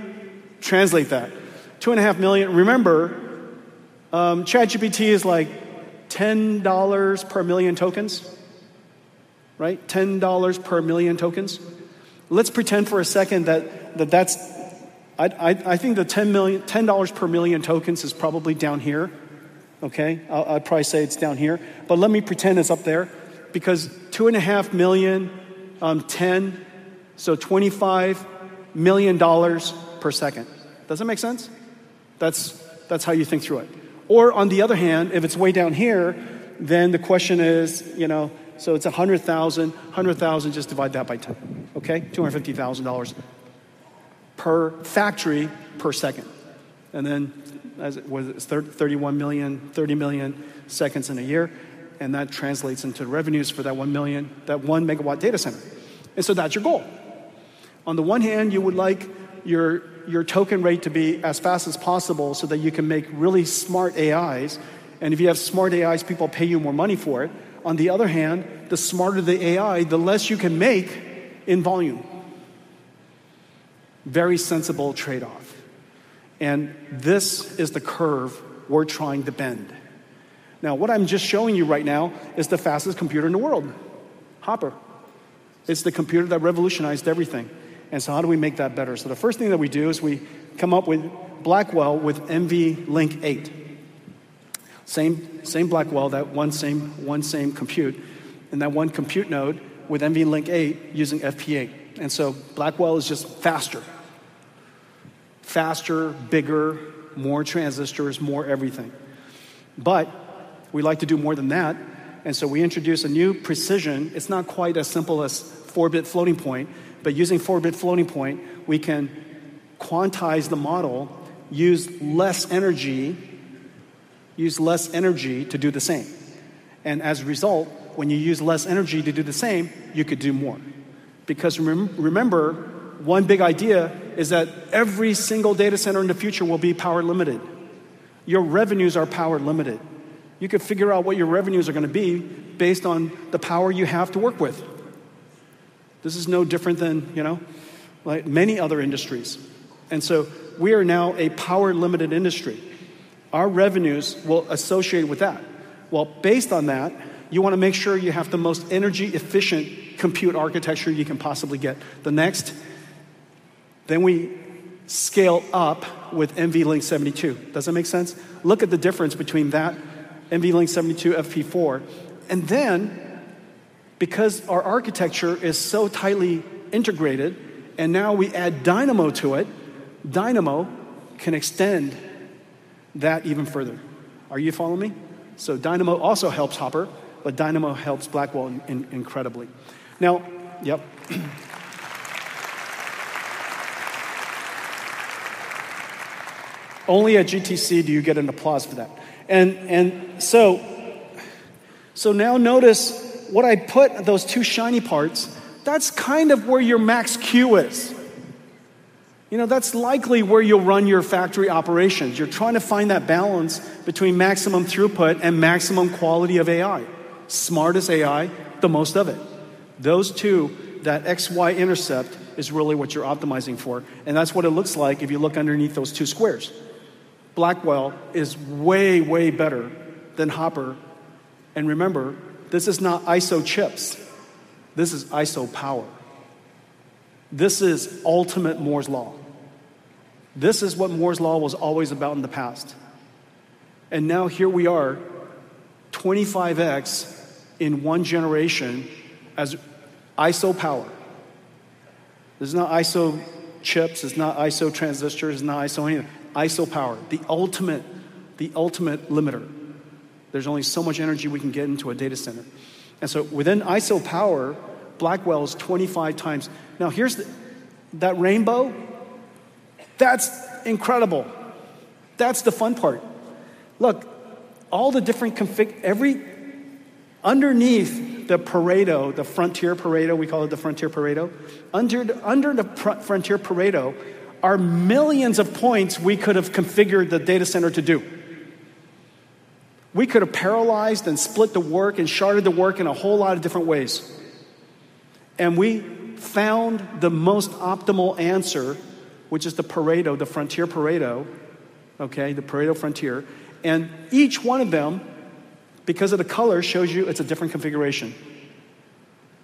translate that? Two and a half million. Remember, ChatGPT is like $10 per million tokens, right? $10 per million tokens. Let's pretend for a second that that's, I think the $10 per million tokens is probably down here. Okay, I'd probably say it's down here, but let me pretend it's up there because two and a half million, 10, so $25 million dollars per second. Does that make sense? That's how you think through it. Or on the other hand, if it's way down here, then the question is, you know, so it's 100,000, 100,000, just divide that by 10. Okay, $250,000 per factory per second. And then was it 31 million, 30 million seconds in a year? And that translates into revenues for that one megawatt data center. And so that's your goal. On the one hand, you would like your token rate to be as fast as possible so that you can make really smart AIs. And if you have smart AIs, people pay you more money for it. On the other hand, the smarter the AI, the less you can make in volume. Very sensible trade-off. And this is the curve we're trying to bend. Now, what I'm just showing you right now is the fastest computer in the world, Hopper. It's the computer that revolutionized everything. And so how do we make that better? So the first thing that we do is we come up with Blackwell with NVLink 8. Same Blackwell, that one same compute, and that one compute node with NVLink 8 using FP4. And so Blackwell is just faster. Faster, bigger, more transistors, more everything. But we like to do more than that. And so we introduce a new precision. It's not quite as simple as 4-bit floating point, but using 4-bit floating point, we can quantize the model, use less energy, use less energy to do the same. And as a result, when you use less energy to do the same, you could do more. Because remember, one big idea is that every single data center in the future will be power limited. Your revenues are power limited. You can figure out what your revenues are going to be based on the power you have to work with. This is no different than, you know, like many other industries. And so we are now a power limited industry. Our revenues will associate with that. Well, based on that, you want to make sure you have the most energy efficient compute architecture you can possibly get. The next, then we scale up with NVLink 72. Does that make sense? Look at the difference between that NVLink 72 FP4, and then, because our architecture is so tightly integrated, and now we add Dynamo to it, Dynamo can extend that even further. Are you following me? So Dynamo also helps Hopper, but Dynamo helps Blackwell incredibly. Now, yep. Only at GTC do you get an applause for that, and so now notice what I put those two shiny parts. That's kind of Max-Q is. You know, that's likely where you'll run your factory operations. You're trying to find that balance between maximum throughput and maximum quality of AI. Smartest AI, the most of it. Those two, that XY intercept is really what you're optimizing for, and that's what it looks like if you look underneath those two squares. Blackwell is way, way better than Hopper. And remember, this is not ISO chips. This is ISO power. This is the ultimate Moore's law. This is what Moore's law was always about in the past. And now here we are, 25x in one generation at iso power. This is not iso chips. It's not iso transistors. It's not iso anything. Iso power. The ultimate, the ultimate limiter. There's only so much energy we can get into a data center. And so within iso power, Blackwell is 25 times. Now here's that rainbow. That's incredible. That's the fun part. Look, all the different config, everywhere underneath the Pareto, the frontier Pareto, we call it the frontier Pareto. Under the frontier Pareto are millions of points we could have configured the data center to do. We could have parallelized and split the work and sharded the work in a whole lot of different ways. And we found the most optimal answer, which is the Pareto, the frontier Pareto. Okay, the Pareto frontier, and each one of them, because of the color, shows you it's a different configuration.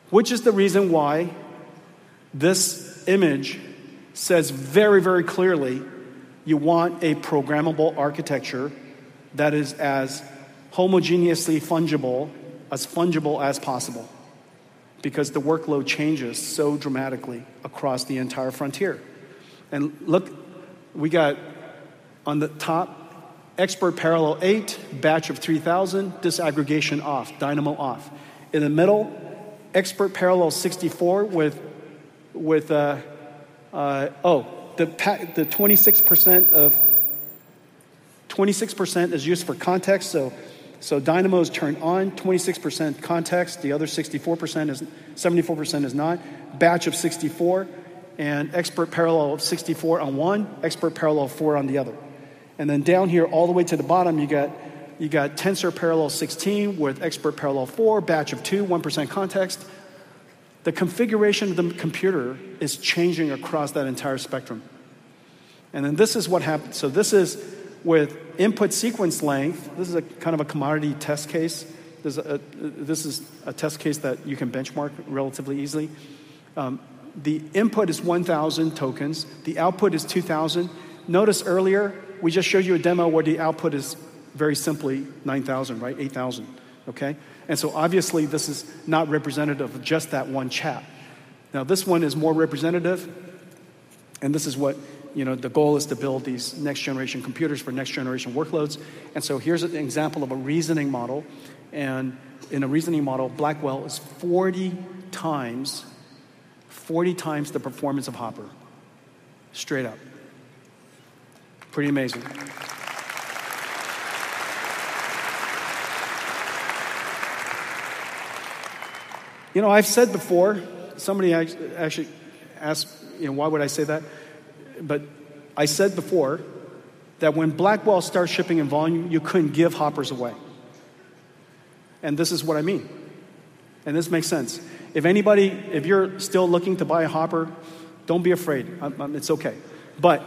Which is the reason why this image says very, very clearly you want a programmable architecture that is as homogeneously fungible as fungible as possible. Because the workload changes so dramatically across the entire frontier. Look, we got on the top, Expert Parallel 8, batch of 3000, disaggregation off, Dynamo off. In the middle, Expert Parallel 64 with, oh, the 26% of 26% is used for context. So Dynamo is turned on, 26% context. The other 64% is 74% is not. Batch of 64 and Expert Parallel 64 on one, Expert Parallel 4 on the other. Then down here, all the way to the bottom, you got Tensor Parallel 16 with Expert Parallel 4, batch of 2, 1% context. The configuration of the computer is changing across that entire spectrum, and then this is what happens, so this is with input sequence length. This is a kind of a commodity test case. This is a test case that you can benchmark relatively easily. The input is 1000 tokens. The output is 2000. Notice earlier, we just showed you a demo where the output is very simply 9000, right? 8000. Okay, and so obviously, this is not representative of just that one chat. Now, this one is more representative, and this is what, you know, the goal is to build these next generation computers for next generation workloads, and so here's an example of a reasoning model, and in a reasoning model, Blackwell is 40 times, 40 times the performance of Hopper. Straight up. Pretty amazing. You know, I've said before, somebody actually asked, you know, why would I say that? But I said before that when Blackwell starts shipping in volume, you couldn't give Hoppers away. And this is what I mean. And this makes sense. If anybody, if you're still looking to buy a Hopper, don't be afraid. It's okay. But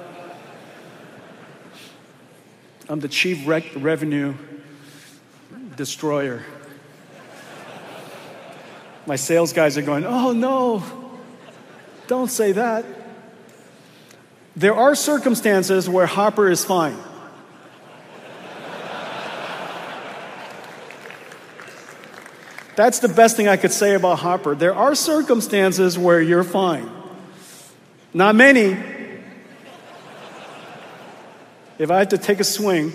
I'm the chief revenue destroyer. My sales guys are going, "Oh no, don't say that." There are circumstances where Hopper is fine. That's the best thing I could say about Hopper. There are circumstances where you're fine. Not many. If I had to take a swing.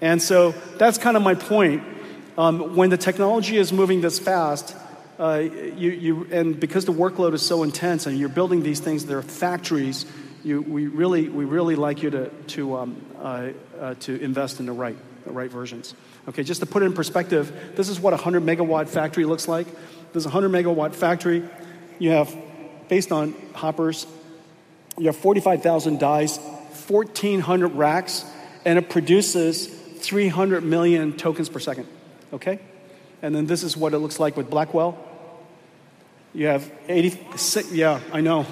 And so that's kind of my point. When the technology is moving this fast, and because the workload is so intense and you're building these things, there are factories, we really, we really like you to invest in the right versions. Okay, just to put it in perspective, this is what a 100 megawatt factory looks like. There's a 100 megawatt factory. You have, based on Hoppers, you have 45,000 dies, 1400 racks, and it produces 300 million tokens per second. Okay. And then this is what it looks like with Blackwell. You have 86, yeah, I know.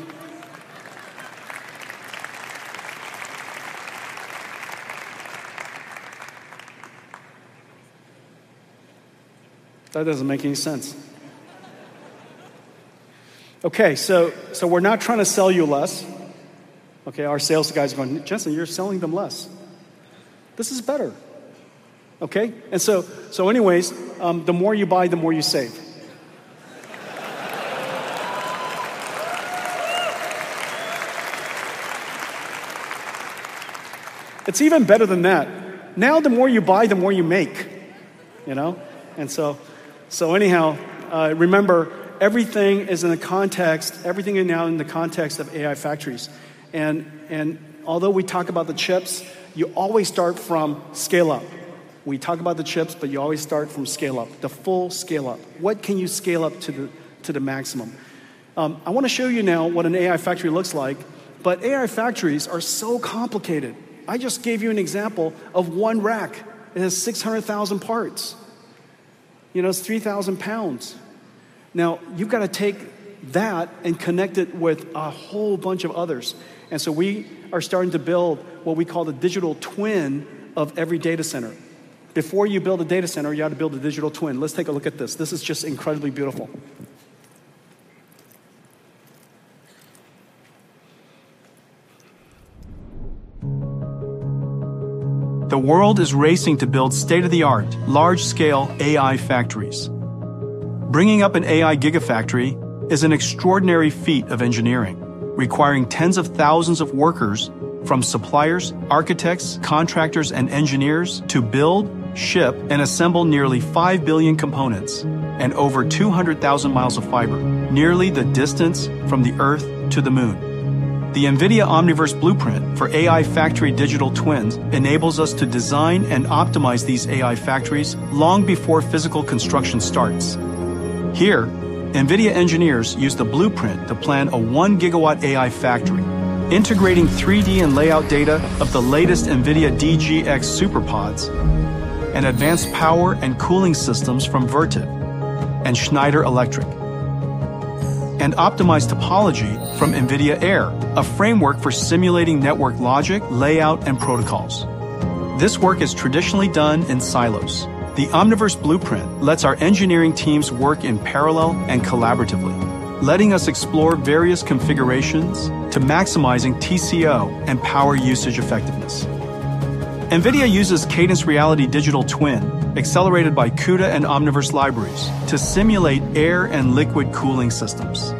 That doesn't make any sense. Okay, so we're not trying to sell you less. Okay, our sales guys are going, "Jensen, you're selling them less." This is better. Okay. And so anyways, the more you buy, the more you save. It's even better than that. Now, the more you buy, the more you make, you know? And so anyhow, remember, everything is in the context, everything is now in the context of AI factories. And although we talk about the chips, you always start from scale up. We talk about the chips, but you always start from scale up, the full scale up. What can you scale up to the maximum? I want to show you now what an AI factory looks like, but AI factories are so complicated. I just gave you an example of one rack. It has 600,000 parts. You know, it's 3,000 pounds. Now, you've got to take that and connect it with a whole bunch of others. And so we are starting to build what we call the digital twin of every data center. Before you build a data center, you have to build a digital twin. Let's take a look at this. This is just incredibly beautiful. The world is racing to build state-of-the-art, large-scale AI factories. Bringing up an AI gigafactory is an extraordinary feat of engineering, requiring tens of thousands of workers from suppliers, architects, contractors, and engineers to build, ship, and assemble nearly 5 billion components and over 200,000 miles of fiber, nearly the distance from the Earth to the Moon. The NVIDIA Omniverse Blueprint for AI Factory Digital Twins enables us to design and optimize these AI factories long before physical construction starts. Here, NVIDIA engineers use the blueprint to plan a one-gigawatt AI factory, integrating 3D and layout data of the latest NVIDIA DGX SuperPODs and advanced power and cooling systems from Vertiv and Schneider Electric, and optimized topology from NVIDIA Air, a framework for simulating network logic, layout, and protocols. This work is traditionally done in silos. The Omniverse Blueprint lets our engineering teams work in parallel and collaboratively, letting us explore various configurations to maximizing TCO and power usage effectiveness. NVIDIA uses Cadence Reality Digital Twin, accelerated by CUDA and Omniverse libraries, to simulate air and liquid cooling systems.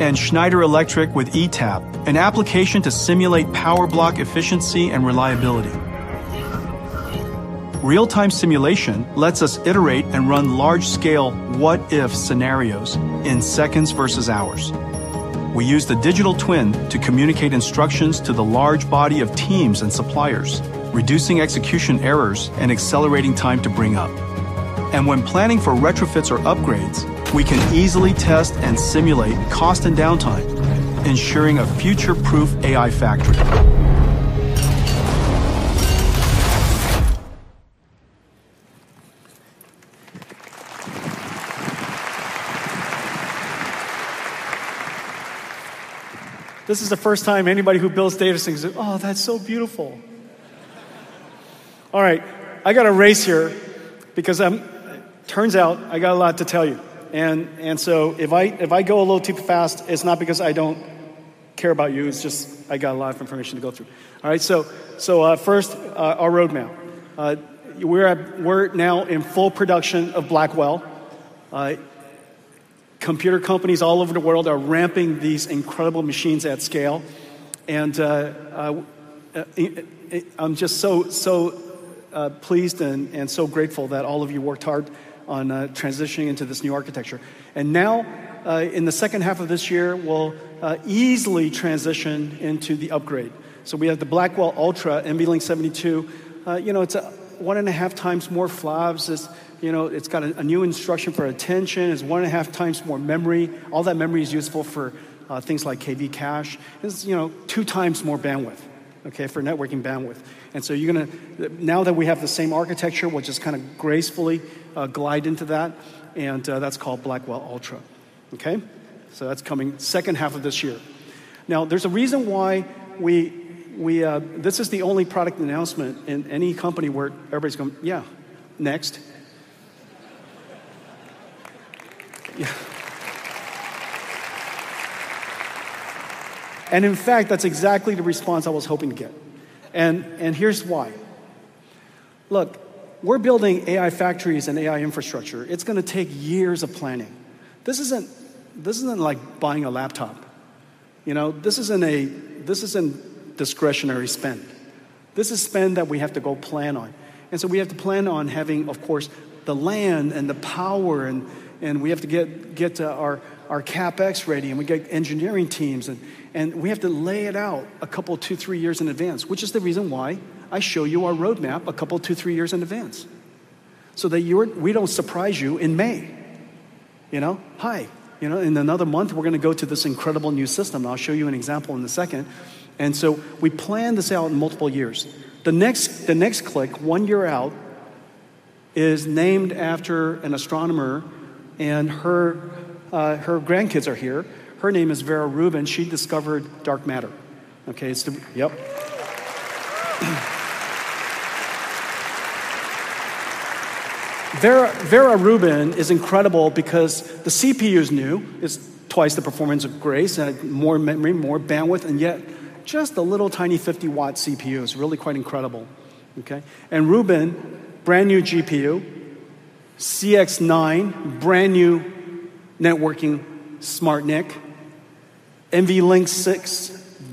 And Schneider Electric with ETAP, an application to simulate power block efficiency and reliability. Real-time simulation lets us iterate and run large-scale what-if scenarios in seconds versus hours. We use the digital twin to communicate instructions to the large body of teams and suppliers, reducing execution errors and accelerating time to bring up. And when planning for retrofits or upgrades, we can easily test and simulate cost and downtime, ensuring a future-proof AI factory. This is the first time anybody who builds data centers thinks, "Oh, that's so beautiful." All right, I got a race here because it turns out I got a lot to tell you. And so if I go a little too fast, it's not because I don't care about you. It's just I got a lot of information to go through. All right, so first, our roadmap. We're now in full production of Blackwell. Computer companies all over the world are ramping these incredible machines at scale. And I'm just so pleased and so grateful that all of you worked hard on transitioning into this new architecture. And now, in the second half of this year, we'll easily transition into the upgrade. So we have the Blackwell Ultra NVLink 72. You know, it's one and a half times more FLOPS. You know, it's got a new instruction for attention. It's one and a half times more memory. All that memory is useful for things like KV cache. It's, you know, two times more bandwidth, okay, for networking bandwidth. And so you're going to, now that we have the same architecture, we'll just kind of gracefully glide into that. And that's called Blackwell Ultra. Okay. So that's coming second half of this year. Now, there's a reason why we, this is the only product announcement in any company where everybody's going, "Yeah, next." And in fact, that's exactly the response I was hoping to get. And here's why. Look, we're building AI factories and AI infrastructure. It's going to take years of planning. This isn't like buying a laptop. You know, this isn't a discretionary spend. This is spend that we have to go plan on. And so we have to plan on having, of course, the land and the power. And we have to get to our CapEx ready. And we get engineering teams. And we have to lay it out a couple, two, three years in advance, which is the reason why I show you our roadmap a couple, two, three years in advance. So that we don't surprise you in May. You know, hi, you know, in another month, we're going to go to this incredible new system. I'll show you an example in a second. And so we plan to sell out in multiple years. The next click, one year out, is named after an astronomer. And her grandkids are here. Her name is Vera Rubin. She discovered dark matter. Okay, it's the, yep. Vera Rubin is incredible because the CPU is new. It's twice the performance of Grace and more memory, more bandwidth. And yet, just a little tiny 50-watt CPU is really quite incredible. Okay. And Rubin, brand new GPU, CX9, brand new networking SmartNIC, NVLink 6,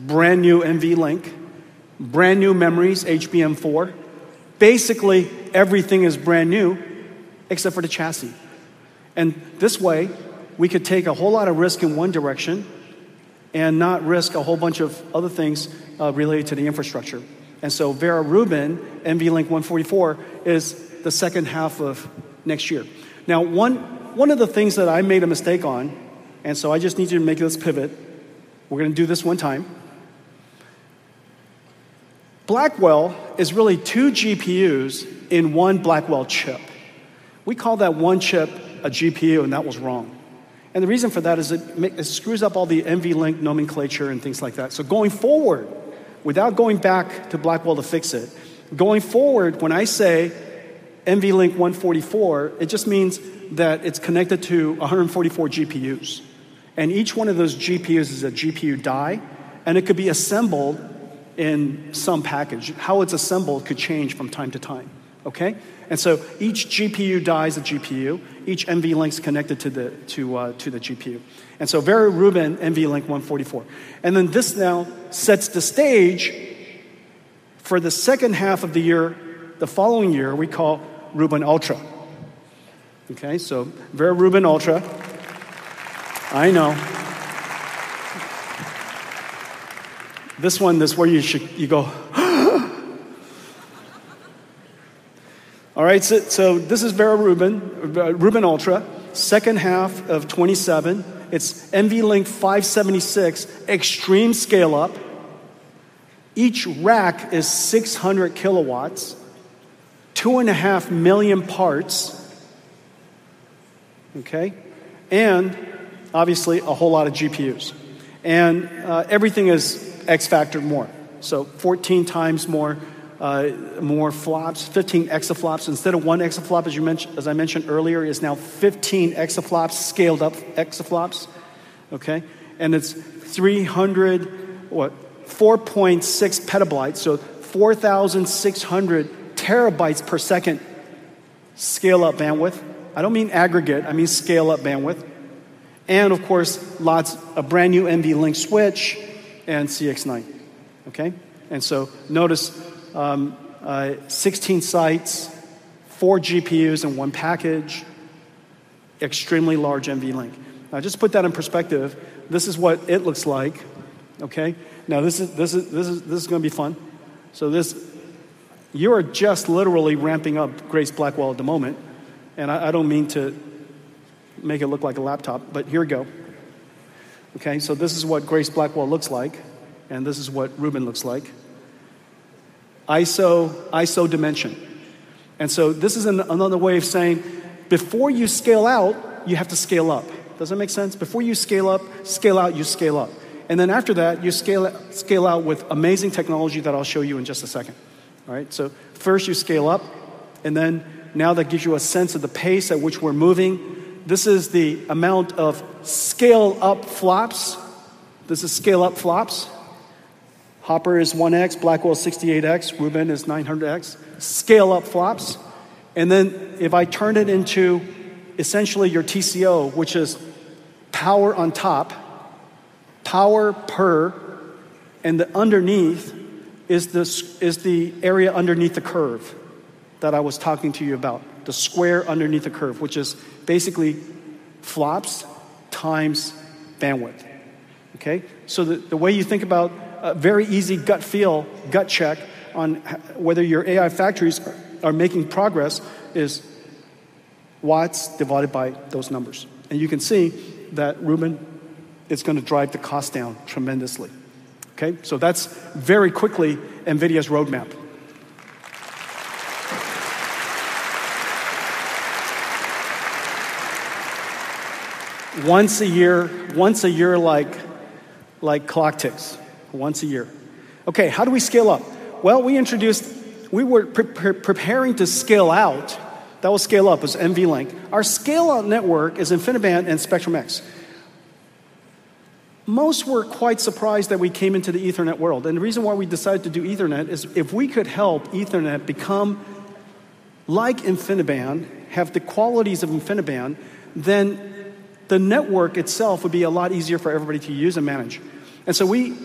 brand new NVLink, brand new memories, HBM4. Basically, everything is brand new except for the chassis. And this way, we could take a whole lot of risk in one direction and not risk a whole bunch of other things related to the infrastructure. And so Vera Rubin, NVLink 144, is the second half of next year. Now, one of the things that I made a mistake on, and so I just need to make this pivot. We're going to do this one time. Blackwell is really two GPUs in one Blackwell chip. We call that one chip a GPU, and that was wrong. And the reason for that is it screws up all the NVLink nomenclature and things like that. So going forward, without going back to Blackwell to fix it, going forward, when I say NVLink 144, it just means that it is connected to 144 GPUs. And each one of those GPUs is a GPU die. And it could be assembled in some package. How it's assembled could change from time to time. Okay. And so each GPU die is a GPU. Each NVLink is connected to the GPU. And so Vera Rubin, NVLink 144. And then this now sets the stage for the second half of the year, the following year, we call Rubin Ultra. Okay. So Vera Rubin Ultra. I know. This one is where you should, you go. All right. So this is Vera Rubin, Rubin Ultra, second half of 2027. It's NVLink 576, extreme scale up. Each rack is 600 kilowatts, two and a half million parts. Okay. And obviously, a whole lot of GPUs. And everything is X factor more. So 14 times more, more FLOPS, 15 exaFLOPS. Instead of one exaflop, as I mentioned earlier, it is now 15 exaFLOPS scaled up exaFLOPS. Okay. And it's 300, what, 4.6 petabytes. So 4,600 TBps scale-up bandwidth. I don't mean aggregate. I mean scale-up bandwidth. And of course, lots of brand new NVLink switch and CX9. Okay. And so notice 16 sites, four GPUs in one package, extremely large NVLink. Now, just to put that in perspective, this is what it looks like. Okay. Now, this is going to be fun. So this, you are just literally ramping up Grace Blackwell at the moment. And I don't mean to make it look like a laptop, but here we go. Okay. So this is what Grace Blackwell looks like. And this is what Rubin looks like. ISO dimension. And so this is another way of saying, before you scale out, you have to scale up. Does that make sense? Before you scale up, scale out, you scale up. And then after that, you scale out with amazing technology that I'll show you in just a second. All right. So first you scale up. And then now that gives you a sense of the pace at which we're moving. This is the amount of scale-up FLOPS. This is scale-up FLOPS. Hopper is 1x, Blackwell is 68x, Rubin is 900x. Scale-up FLOPS. And then if I turn it into essentially your TCO, which is power on top, power per, and the underneath is the area underneath the curve that I was talking to you about, the square underneath the curve, which is basically FLOPS times bandwidth. Okay. So the way you think about a very easy gut feel, gut check on whether your AI factories are making progress is watts divided by those numbers. And you can see that Rubin is going to drive the cost down tremendously. Okay. So that's very quickly NVIDIA's roadmap. Once a year, once a year like clock ticks, once a year. Okay. How do we scale up? Well, we introduced. We were preparing to scale out. That was scale up. It was NVLink. Our scale-out network is InfiniBand and Spectrum-X. Most were quite surprised that we came into the Ethernet world. And the reason why we decided to do Ethernet is if we could help Ethernet become like InfiniBand, have the qualities of InfiniBand, then the network itself would be a lot easier for everybody to use and manage. And so we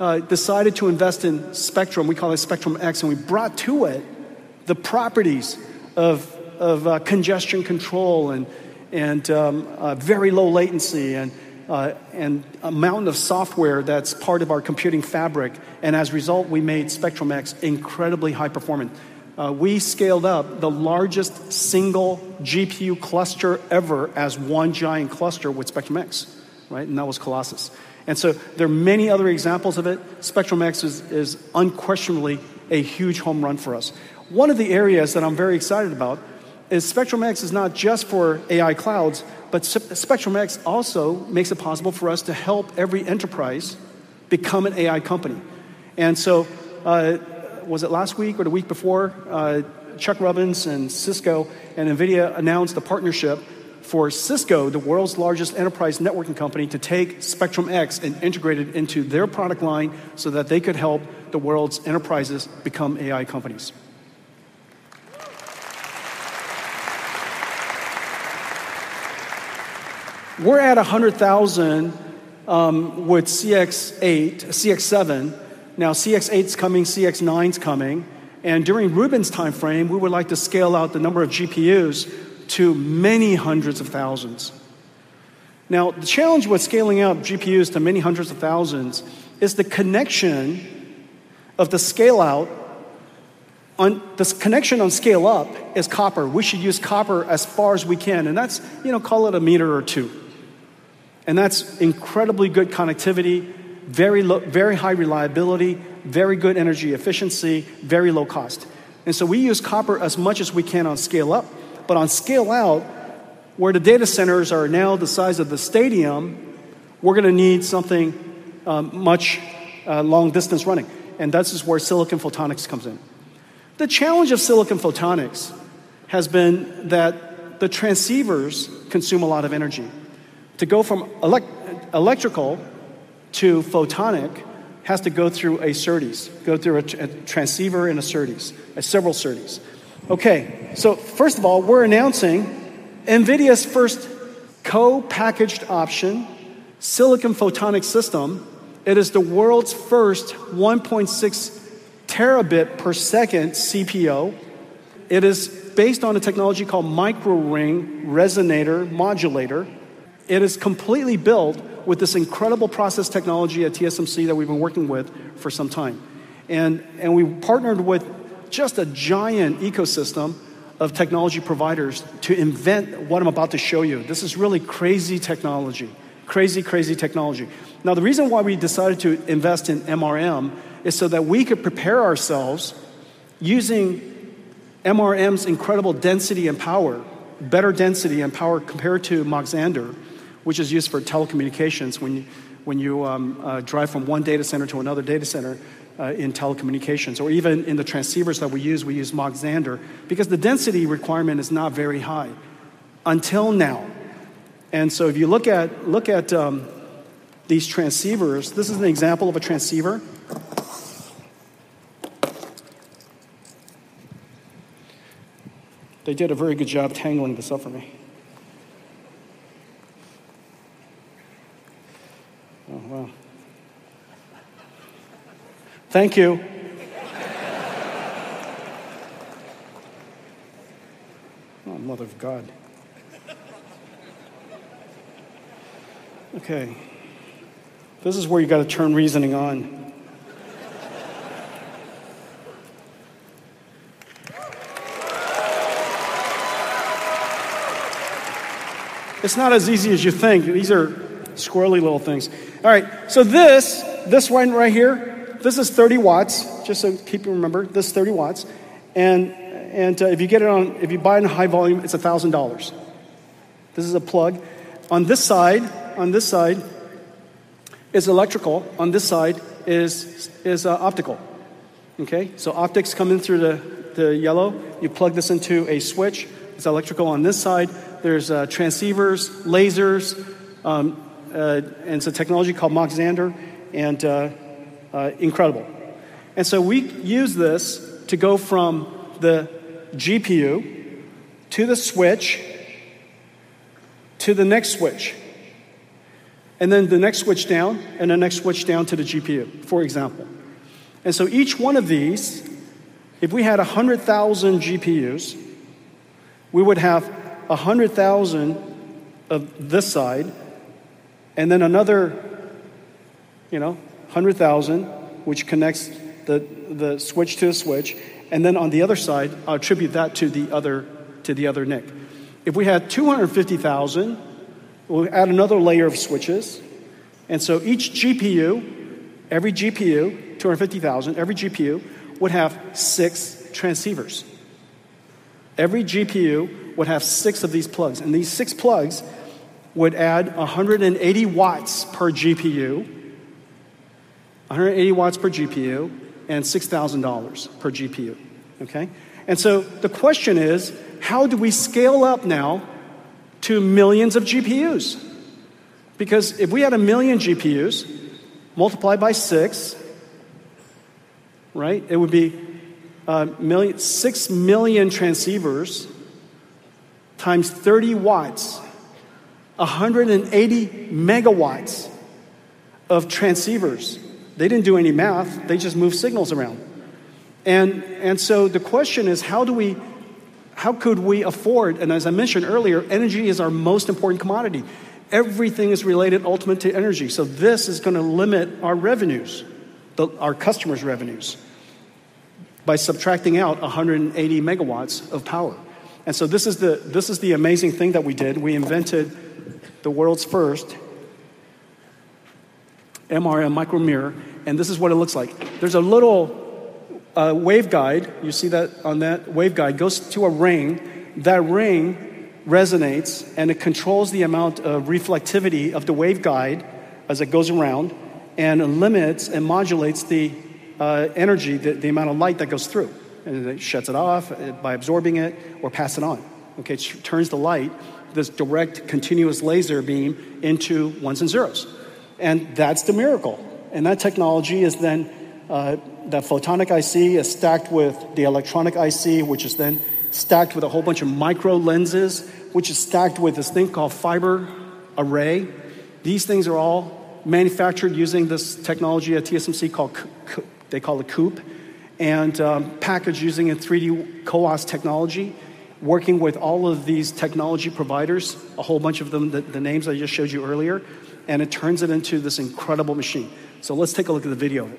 decided to invest in Spectrum. We call it Spectrum-X. And we brought to it the properties of congestion control and very low latency and amount of software that's part of our computing fabric. And as a result, we made Spectrum-X incredibly high-performant. We scaled up the largest single GPU cluster ever as one giant cluster with Spectrum-X. Right. And that was Colossus. And so there are many other examples of it. Spectrum-X is unquestionably a huge home run for us. One of the areas that I'm very excited about is Spectrum-X is not just for AI clouds, but Spectrum-X also makes it possible for us to help every enterprise become an AI company. And so, was it last week or the week before, Chuck Robbins and Cisco and NVIDIA announced the partnership for Cisco, the world's largest enterprise networking company, to take Spectrum-X and integrate it into their product line so that they could help the world's enterprises become AI companies. We're at 100,000 with CX8, CX7. Now CX8's coming, CX9's coming. And during Rubin's timeframe, we would like to scale out the number of GPUs to many hundreds of thousands. Now, the challenge with scaling out GPUs to many hundreds of thousands is the connection of the scale-out. The connection on scale-up is copper. We should use copper as far as we can, and that's, you know, call it a meter or two, and that's incredibly good connectivity, very high reliability, very good energy efficiency, very low cost, and so we use copper as much as we can on scale-up, but on scale-out, where the data centers are now the size of the stadium, we're going to need something much longer-distance running, and that's just where silicon photonics comes in. The challenge of silicon photonics has been that the transceivers consume a lot of energy. To go from electrical to photonic has to go through a SerDes, go through a transceiver and a SerDes, several SerDes. Okay. So first of all, we're announcing NVIDIA's first co-packaged optics silicon photonics system. It is the world's first 1.6 terabit per second CPO. It is based on a technology called Microring Resonator Modulator. It is completely built with this incredible process technology at TSMC that we've been working with for some time, and we partnered with just a giant ecosystem of technology providers to invent what I'm about to show you. This is really crazy technology, crazy, crazy technology. Now, the reason why we decided to invest in MRM is so that we could prepare ourselves using MRM's incredible density and power, better density and power compared to Mach-Zehnder Modulator, which is used for telecommunications when you drive from one data center to another data center in telecommunications. Or even in the transceivers that we use, we use Mach-Zehnder Modulator because the density requirement is not very high until now. And so if you look at these transceivers, this is an example of a transceiver. They did a very good job tangling this up for me. Oh, wow. Thank you. Oh, mother of God. Okay. This is where you got to turn reasoning on. It's not as easy as you think. These are squirrely little things. All right. So this, this one right here, this is 30 watts. Just so keep you remember, this is 30 watts. And if you get it on, if you buy it in high volume, it's $1,000. This is a plug. On this side, on this side is electrical. On this side is optical. Okay. So optics coming through the yellow. You plug this into a switch. It's electrical on this side. There's transceivers, lasers, and some technology called Mach-Zehnder. And incredible. And so we use this to go from the GPU to the switch to the next switch, and then the next switch down, and the next switch down to the GPU, for example. And so each one of these, if we had 100,000 GPUs, we would have 100,000 of this side and then another, you know, 100,000, which connects the switch to a switch. And then on the other side, I'll attribute that to the other link. If we had 250,000, we'll add another layer of switches. And so each GPU, every GPU, 250,000, every GPU would have six transceivers. Every GPU would have six of these plugs. And these six plugs would add 180 watts per GPU, 180 watts per GPU, and $6,000 per GPU. Okay. And so the question is, how do we scale up now to millions of GPUs? Because if we had a million GPUs multiplied by six, right, it would be 6 million transceivers times 30 watts, 180 megawatts of transceivers. They didn't do any math. They just moved signals around, and so the question is, how do we, how could we afford, and as I mentioned earlier, energy is our most important commodity. Everything is related ultimately to energy, so this is going to limit our revenues, our customers' revenues by subtracting out 180 megawatts of power, and so this is the amazing thing that we did. We invented the world's first MRM micromirror, and this is what it looks like. There's a little waveguide. You see that on that waveguide goes to a ring. That ring resonates and it controls the amount of reflectivity of the waveguide as it goes around and limits and modulates the energy, the amount of light that goes through. And it shuts it off by absorbing it or passing on. Okay. It turns the light, this direct continuous laser beam into ones and zeros. And that's the miracle. And that technology is then that photonic IC is stacked with the electronic IC, which is then stacked with a whole bunch of micro lenses, which is stacked with this thing called fiber array. These things are all manufactured using this technology at TSMC called they call it CPO and packaged using a 3D CPO technology, working with all of these technology providers, a whole bunch of them, the names I just showed you earlier. And it turns it into this incredible machine. So let's take a look at the video.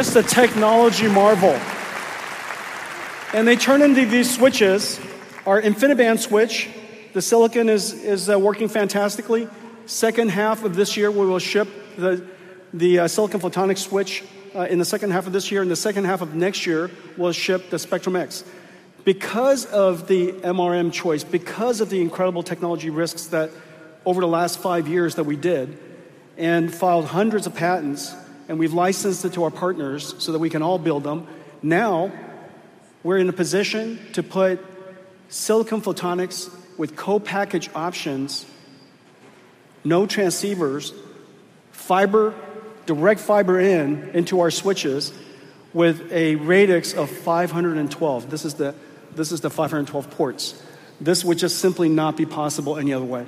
Just a technology marvel. And they turn into these switches. Our InfiniBand switch, the silicon is working fantastically. Second half of this year, we will ship the silicon photonic switch in the second half of this year. In the second half of next year, we'll ship the Spectrum-X. Because of the MRM choice, because of the incredible technology risks that over the last five years that we did and filed hundreds of patents, and we've licensed it to our partners so that we can all build them. Now we're in a position to put silicon photonics with co-packaged optics, no transceivers, fiber, direct fiber into our switches with a radix of 512. This is the 512 ports. This would just simply not be possible any other way.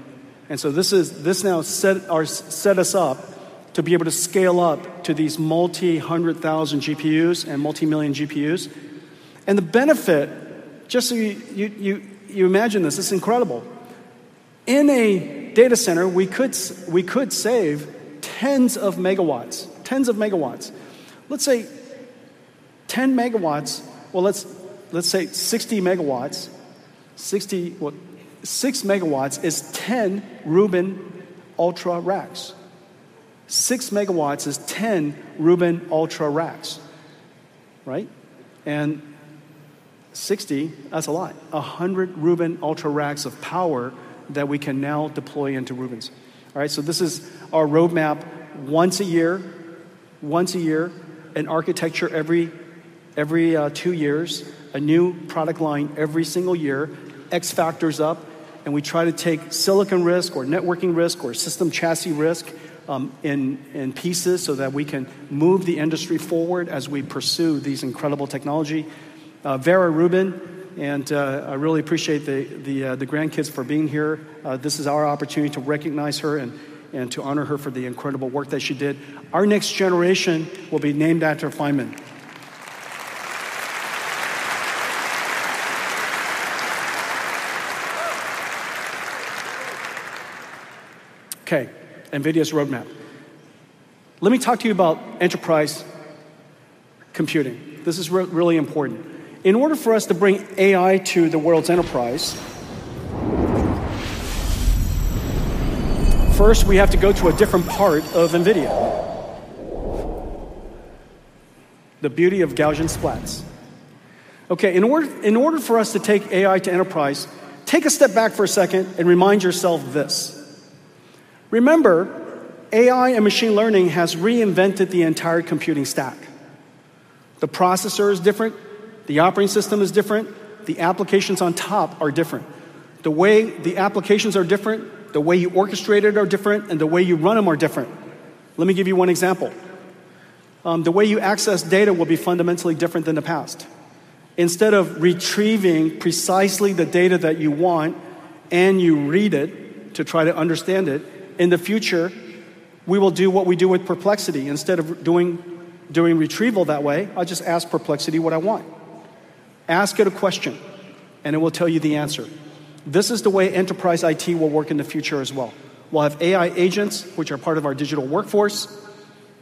And so this now set us up to be able to scale up to these multi-hundred thousand GPUs and multi-million GPUs. And the benefit, just so you imagine this, it's incredible. In a data center, we could save tens of megawatts, tens of megawatts. Let's say 10 megawatts, well, let's say 60 megawatts. 60, well, 6 megawatts is 10 Rubin Ultra racks. 6 megawatts is 10 Rubin Ultra racks. Right. And 60, that's a lot. 100 Rubin Ultra racks of power that we can now deploy into Rubins. All right. So this is our roadmap once a year, once a year, an architecture every two years, a new product line every single year, X factors up. And we try to take silicon risk or networking risk or system chassis risk in pieces so that we can move the industry forward as we pursue these incredible technology. Vera Rubin, and I really appreciate the grandkids for being here. This is our opportunity to recognize her and to honor her for the incredible work that she did. Our next generation will be named after Feynman. Okay. NVIDIA's roadmap. Let me talk to you about enterprise computing. This is really important. In order for us to bring AI to the world's enterprise, first we have to go to a different part of NVIDIA. The beauty of Gaussian splats. Okay. In order for us to take AI to enterprise, take a step back for a second and remind yourself this. Remember, AI and machine learning has reinvented the entire computing stack. The processor is different. The operating system is different. The applications on top are different. The way the applications are different, the way you orchestrate it are different, and the way you run them are different. Let me give you one example. The way you access data will be fundamentally different than the past. Instead of retrieving precisely the data that you want and you read it to try to understand it, in the future, we will do what we do with Perplexity. Instead of doing retrieval that way, I'll just ask Perplexity what I want. Ask it a question and it will tell you the answer. This is the way enterprise IT will work in the future as well. We'll have AI agents, which are part of our digital workforce.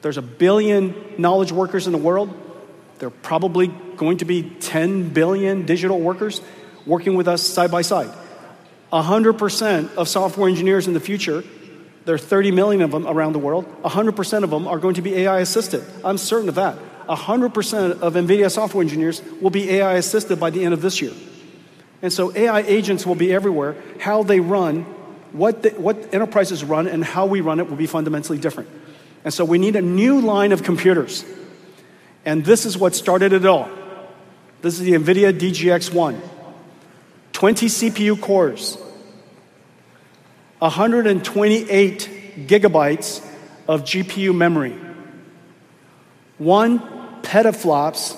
There's a billion knowledge workers in the world. There are probably going to be 10 billion digital workers working with us side by side. 100% of software engineers in the future, there are 30 million of them around the world. 100% of them are going to be AI assisted. I'm certain of that. 100% of NVIDIA software engineers will be AI assisted by the end of this year. And so AI agents will be everywhere. How they run, what enterprises run and how we run it will be fundamentally different. And so we need a new line of computers. And this is what started it all. This is the NVIDIA DGX-1. 20 CPU cores, 128 GB of GPU memory, one petaflops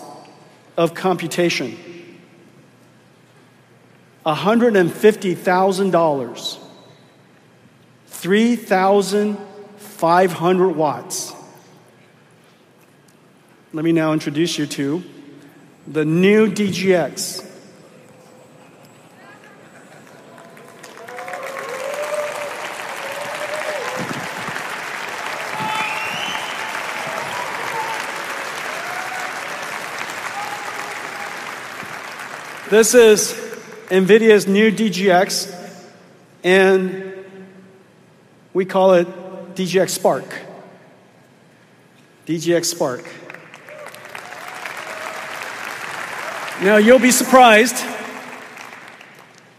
of computation, $150,000, 3,500 watts. Let me now introduce you to the new DGX. This is NVIDIA's new DGX, and we call it DGX Spark. DGX Spark. Now you'll be surprised.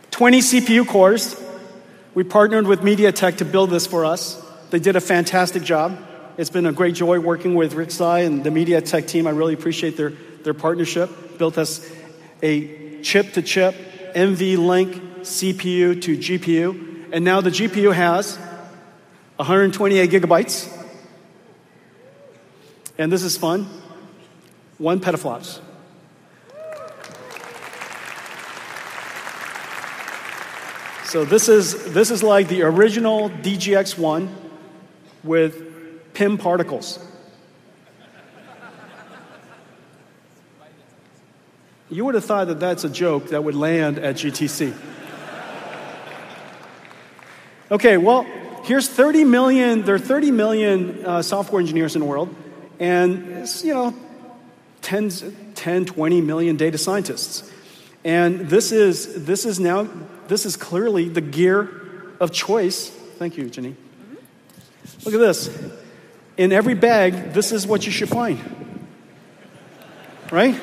20 CPU cores. We partnered with MediaTek to build this for us. They did a fantastic job. It's been a great joy working with Rick Tsai and the MediaTek team. I really appreciate their partnership. Built us a chip-to-chip, NVLink CPU to GPU. And now the GPU has 128 GB. This is fun. One petaflops. This is like the original DGX1 with Pym particles. You would have thought that that's a joke that would land at GTC. Okay. Here's 30 million. There are 30 million software engineers in the world and, you know, 10, 20 million data scientists. This is now, this is clearly the gear of choice. Thank you, Jenny. Look at this. In every bag, this is what you should find. Right?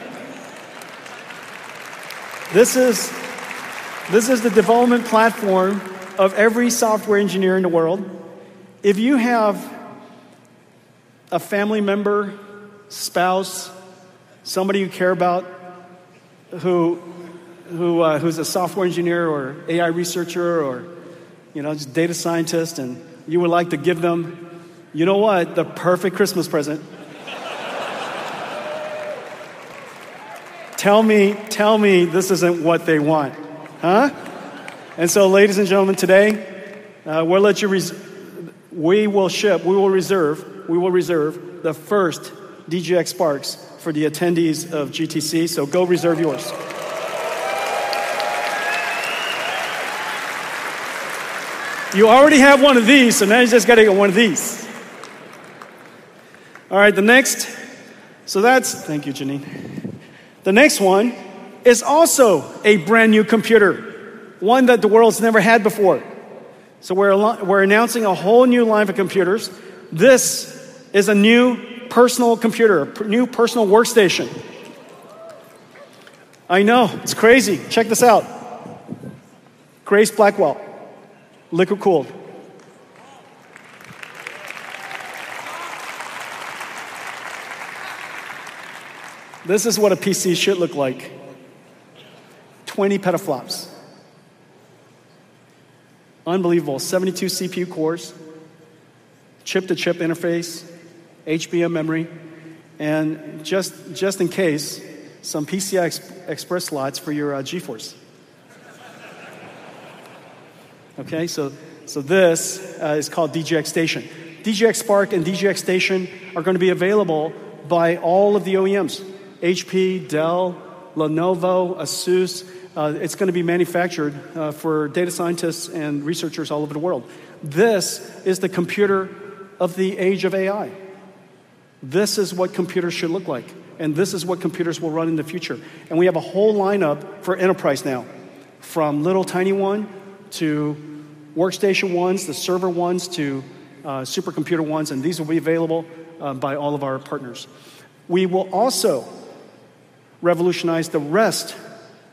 This is the development platform of every software engineer in the world. If you have a family member, spouse, somebody you care about who's a software engineer or AI researcher or, you know, just data scientist and you would like to give them, you know what? The perfect Christmas present. Tell me, tell me this isn't what they want. Huh? Ladies and gentlemen, today we'll let you reserve. We will reserve the first DGX Spark for the attendees of GTC. So go reserve yours. You already have one of these, so now you just got to get one of these. All right. The next. So that's, thank you, Jenny. The next one is also a brand new computer, one that the world's never had before. So we're announcing a whole new line of computers. This is a new personal computer, a new personal workstation. I know it's crazy. Check this out. Grace Blackwell, liquid cooled. This is what a PC should look like. 20 petaflops. Unbelievable. 72 CPU cores, chip-to-chip interface, HBM memory, and just in case, some PCI Express slots for your GeForce. Okay. So this is called DGX Station. DGX Spark and DGX Station are going to be available by all of the OEMs: HP, Dell, Lenovo, ASUS. It's going to be manufactured for data scientists and researchers all over the world. This is the computer of the age of AI. This is what computers should look like. And this is what computers will run in the future. And we have a whole lineup for enterprise now, from little tiny one to workstation ones, the server ones to supercomputer ones. And these will be available by all of our partners. We will also revolutionize the rest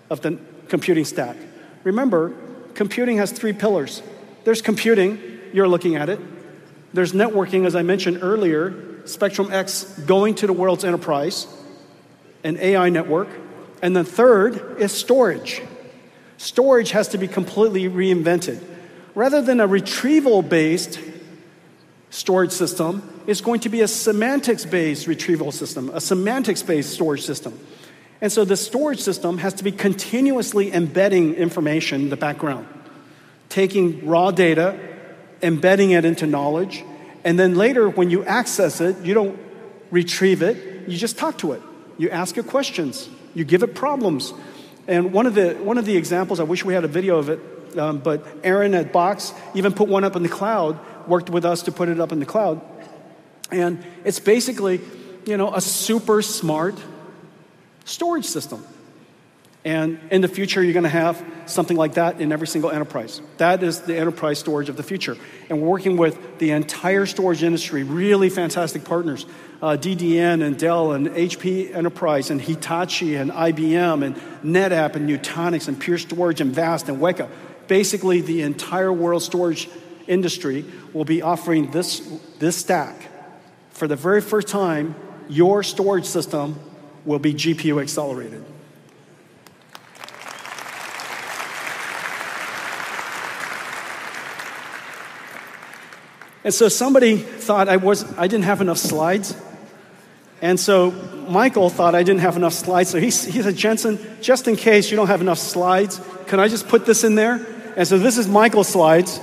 of the computing stack. Remember, computing has three pillars. There's computing, you're looking at it. There's networking, as I mentioned earlier, Spectrum-X going to the world's enterprise, an AI network. And the third is storage. Storage has to be completely reinvented. Rather than a retrieval-based storage system, it's going to be a semantics-based retrieval system, a semantics-based storage system. And so the storage system has to be continuously embedding information in the background, taking raw data, embedding it into knowledge. And then later, when you access it, you don't retrieve it. You just talk to it. You ask it questions. You give it problems. And one of the examples, I wish we had a video of it, but Aaron at Box even put one up in the cloud, worked with us to put it up in the cloud. And it's basically, you know, a super smart storage system. And in the future, you're going to have something like that in every single enterprise. That is the enterprise storage of the future. And we're working with the entire storage industry, really fantastic partners, DDN and Dell and HP Enterprise and Hitachi and IBM and NetApp and Nutanix and Pure Storage and VAST and WEKA. Basically, the entire world storage industry will be offering this stack. For the very first time, your storage system will be GPU accelerated. Somebody thought I didn't have enough slides. Michael thought I didn't have enough slides. He said, "Jensen, just in case you don't have enough slides, can I just put this in there?" This is Michael's slides.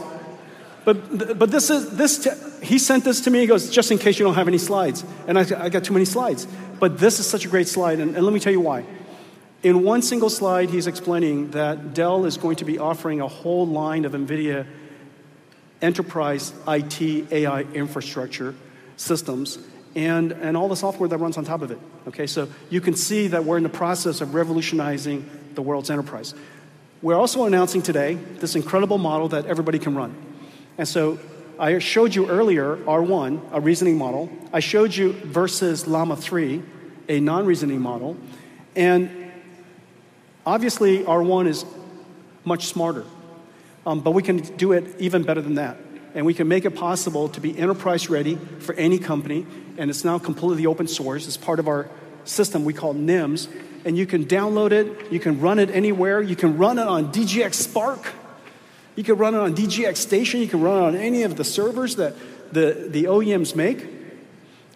He sent this to me. He goes, "Just in case you don't have any slides." I got too many slides. This is such a great slide. Let me tell you why. In one single slide, he's explaining that Dell is going to be offering a whole line of NVIDIA enterprise IT AI infrastructure systems and all the software that runs on top of it. Okay. You can see that we're in the process of revolutionizing the world's enterprise. We're also announcing today this incredible model that everybody can run, and so I showed you earlier R1, a reasoning model. I showed you versus Llama 3, a non-reasoning model, and obviously, R1 is much smarter, but we can do it even better than that, and we can make it possible to be enterprise-ready for any company, and it's now completely open source. It's part of our system we call NIMs, and you can download it. You can run it anywhere. You can run it on DGX Spark. You can run it on DGX Station. You can run it on any of the servers that the OEMs make.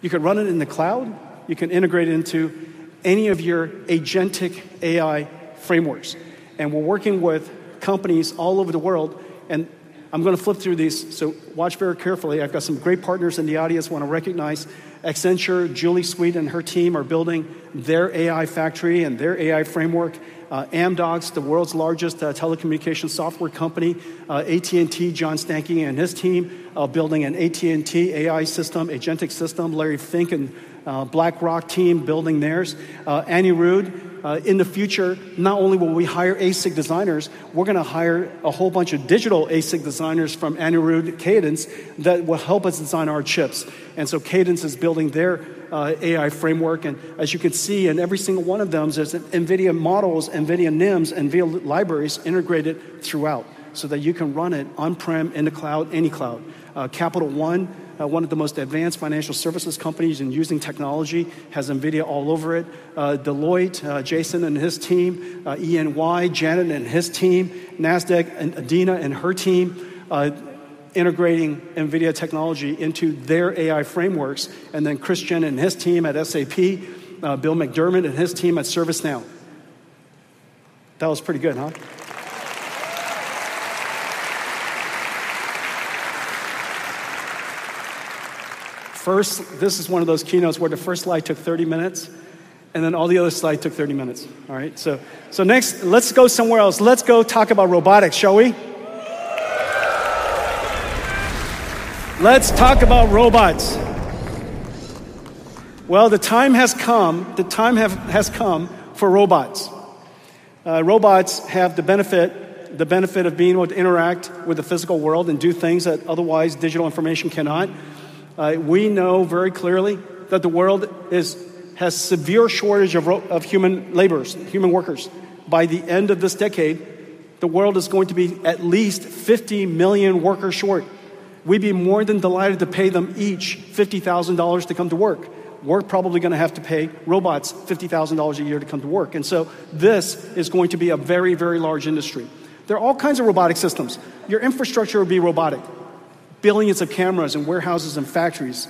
You can run it in the cloud. You can integrate it into any of your agentic AI frameworks, and we're working with companies all over the world, and I'm going to flip through these, so watch very carefully. I've got some great partners in the audience I want to recognize. Accenture, Julie Sweet, and her team are building their AI factory and their AI framework. Amdocs, the world's largest telecommunications software company. AT&T, John Stankey and his team are building an AT&T AI system, agentic system. Larry Fink and BlackRock team building theirs. Anirudh, in the future, not only will we hire ASIC designers, we're going to hire a whole bunch of digital ASIC designers from Anirudh, Cadence, that will help us design our chips. And so Cadence is building their AI framework. And as you can see in every single one of them, there's NVIDIA models, NVIDIA NIMs, and NVIDIA libraries integrated throughout so that you can run it on-prem, in the cloud, any cloud. Capital One, one of the most advanced financial services companies and using technology, has NVIDIA all over it. Deloitte, Jason and his team, EY, Janet and her team, Nasdaq, and Adena and her team integrating NVIDIA technology into their AI frameworks. Then Chris Klein and his team at SAP, Bill McDermott and his team at ServiceNow. That was pretty good, huh? First, this is one of those keynotes where the first slide took 30 minutes and then all the other slides took 30 minutes. All right, so next, let's go somewhere else. Let's go talk about robotics, shall we? Let's talk about robots. The time has come. The time has come for robots. Robots have the benefit of being able to interact with the physical world and do things that otherwise digital information cannot. We know very clearly that the world has a severe shortage of human laborers, human workers. By the end of this decade, the world is going to be at least 50 million workers short. We'd be more than delighted to pay them each $50,000 to come to work. We're probably going to have to pay robots $50,000 a year to come to work, and so this is going to be a very, very large industry. There are all kinds of robotic systems. Your infrastructure will be robotic. Billions of cameras and warehouses and factories,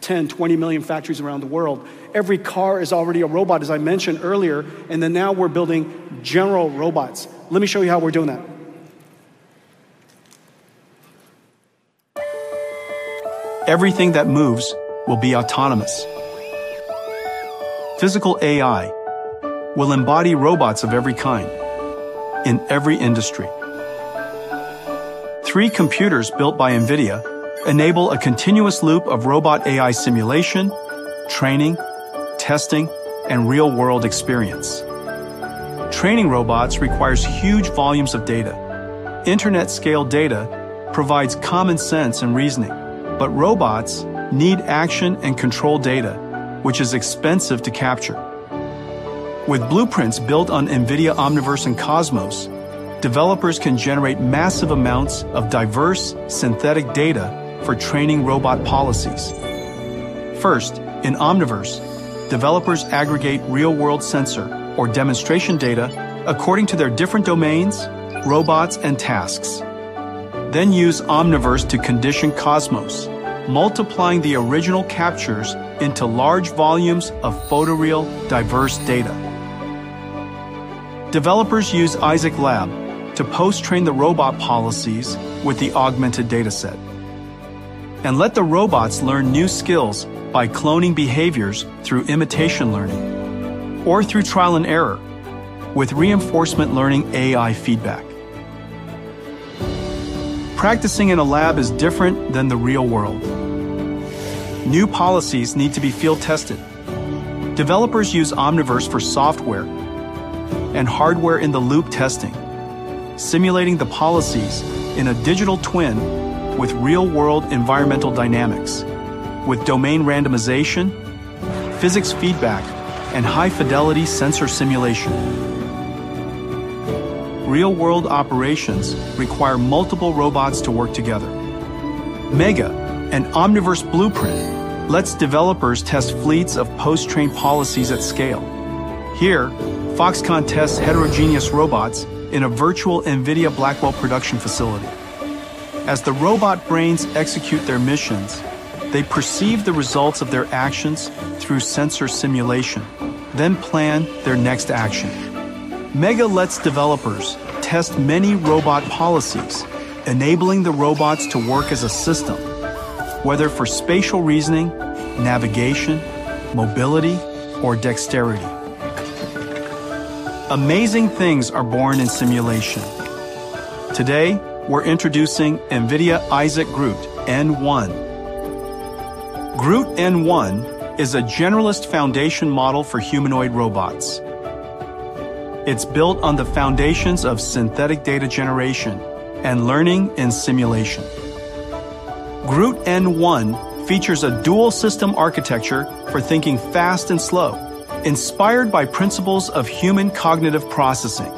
10-20 million factories around the world. Every car is already a robot, as I mentioned earlier, and then now we're building general robots. Let me show you how we're doing that. Everything that moves will be autonomous. physical AI will embody robots of every kind in every industry. Three computers built by NVIDIA enable a continuous loop of robot AI simulation, training, testing, and real-world experience. Training robots requires huge volumes of data. Internet-scale data provides common sense and reasoning, but robots need action and control data, which is expensive to capture. With blueprints built on NVIDIA Omniverse and Cosmos, developers can generate massive amounts of diverse synthetic data for training robot policies. First, in Omniverse, developers aggregate real-world sensor or demonstration data according to their different domains, robots, and tasks. Then use Omniverse to condition Cosmos, multiplying the original captures into large volumes of photoreal diverse data. Developers use Isaac Lab to post-train the robot policies with the augmented dataset and let the robots learn new skills by cloning behaviors through imitation learning or through trial and error with reinforcement learning AI feedback. Practicing in a lab is different than the real world. New policies need to be field tested. Developers use Omniverse for software and hardware-in-the-loop testing, simulating the policies in a digital twin with real-world environmental dynamics, with domain randomization, physics feedback, and high-fidelity sensor simulation. Real-world operations require multiple robots to work together. Mega, an Omniverse blueprint, lets developers test fleets of post-trained policies at scale. Here, Foxconn tests heterogeneous robots in a virtual NVIDIA Blackwell production facility. As the robot brains execute their missions, they perceive the results of their actions through sensor simulation, then plan their next action. Mega lets developers test many robot policies, enabling the robots to work as a system, whether for spatial reasoning, navigation, mobility, or dexterity. Amazing things are born in simulation. Today, we're introducing NVIDIA Isaac GR00T N1. GR00T N1 is a generalist foundation model for humanoid robots. It's built on the foundations of synthetic data generation and learning in simulation. GR00T features a dual system architecture for thinking fast and slow, inspired by principles of human cognitive processing.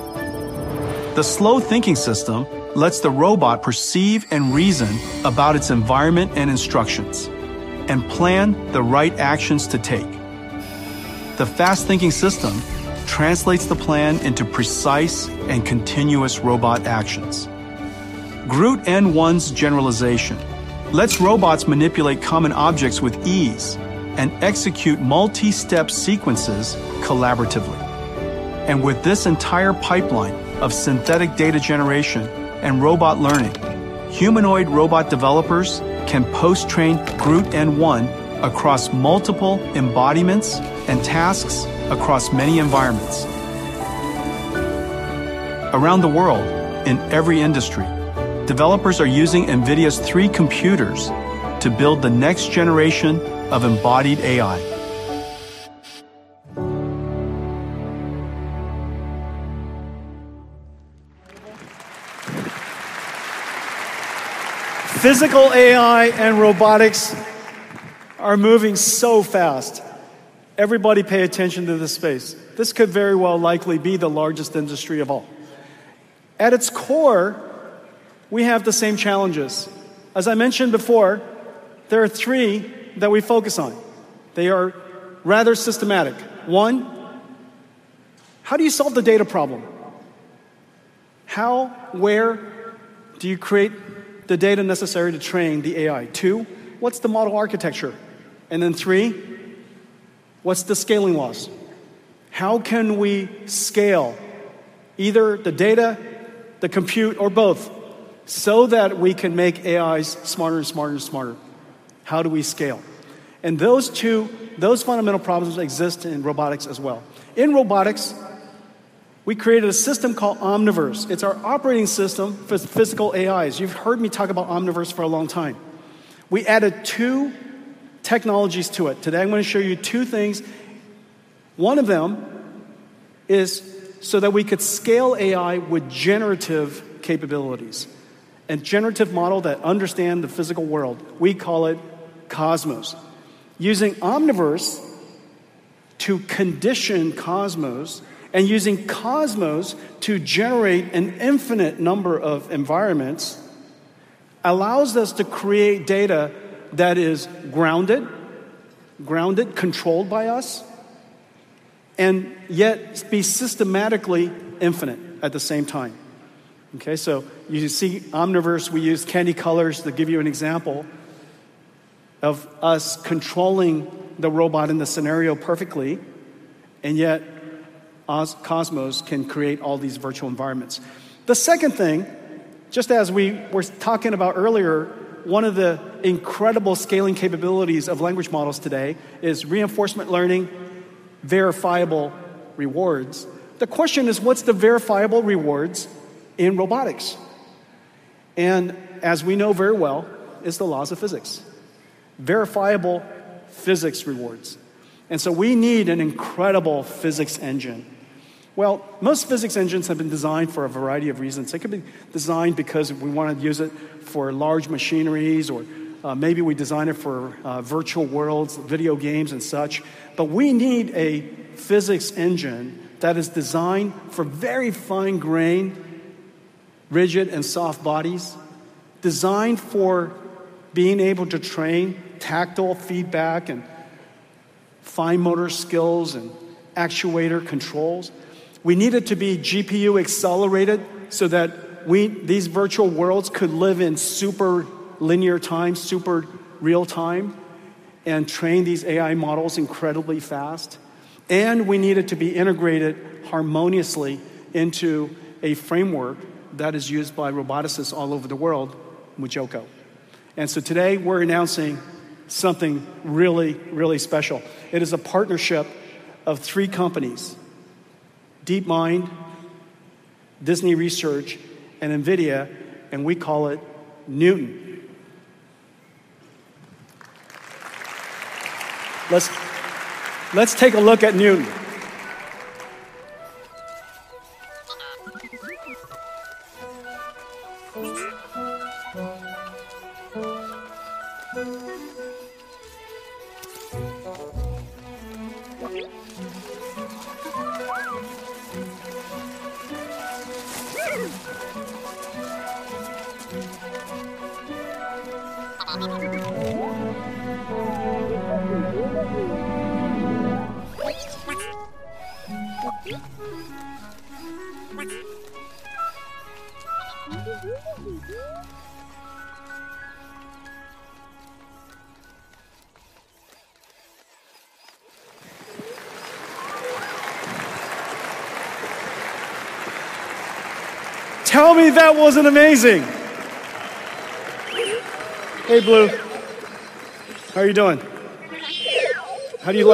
The slow thinking system lets the robot perceive and reason about its environment and instructions and plan the right actions to take. The fast thinking system translates the plan into precise and continuous robot actions. GR00T's generalization lets robots manipulate common objects with ease and execute multi-step sequences collaboratively, and with this entire pipeline of synthetic data generation and robot learning, humanoid robot developers can post-train GR00T across multiple embodiments and tasks across many environments. Around the world, in every industry, developers are using NVIDIA's three computers to build the next generation of embodied AI. physical AI and robotics are moving so fast. Everybody pay attention to this space. This could very well likely be the largest industry of all. At its core, we have the same challenges. As I mentioned before, there are three that we focus on. They are rather systematic. One, how do you solve the data problem? How, where do you create the data necessary to train the AI? Two, what's the model architecture? And then three, what's the scaling laws? How can we scale either the data, the compute, or both so that we can make AI smarter and smarter and smarter? How do we scale? And those two fundamental problems exist in robotics as well. In robotics, we created a system called Omniverse. It's our operating system for physical AIs. You've heard me talk about Omniverse for a long time. We added two technologies to it. Today, I'm going to show you two things. One of them is so that we could scale AI with generative capabilities and generative models that understand the physical world. We call it Cosmos. Using Omniverse to condition Cosmos and using Cosmos to generate an infinite number of environments allows us to create data that is grounded, grounded, controlled by us, and yet be systematically infinite at the same time. Okay, so you see Omniverse, we use candy colors to give you an example of us controlling the robot in the scenario perfectly, and yet Cosmos can create all these virtual environments. The second thing, just as we were talking about earlier, one of the incredible scaling capabilities of language models today is reinforcement learning, verifiable rewards. The question is, what's the verifiable rewards in robotics? And as we know very well, it's the laws of physics, verifiable physics rewards, and so we need an incredible physics engine, well, most physics engines have been designed for a variety of reasons. It could be designed because we want to use it for large machineries, or maybe we design it for virtual worlds, video games, and such. But we need a physics engine that is designed for very fine-grained, rigid, and soft bodies, designed for being able to train tactile feedback and fine motor skills and actuator controls. We need it to be GPU-accelerated so that these virtual worlds could live in superlinear time, super real time, and train these AI models incredibly fast. And we need it to be integrated harmoniously into a framework that is used by roboticists all over the world, MuJoCo. And so today, we're announcing something really, really special. It is a partnership of three companies: DeepMind, Disney Research, and NVIDIA, and we call it Newton. Let's take a look at Newton. Tell me that wasn't amazing. Hey, Blue. How are you doing? How do you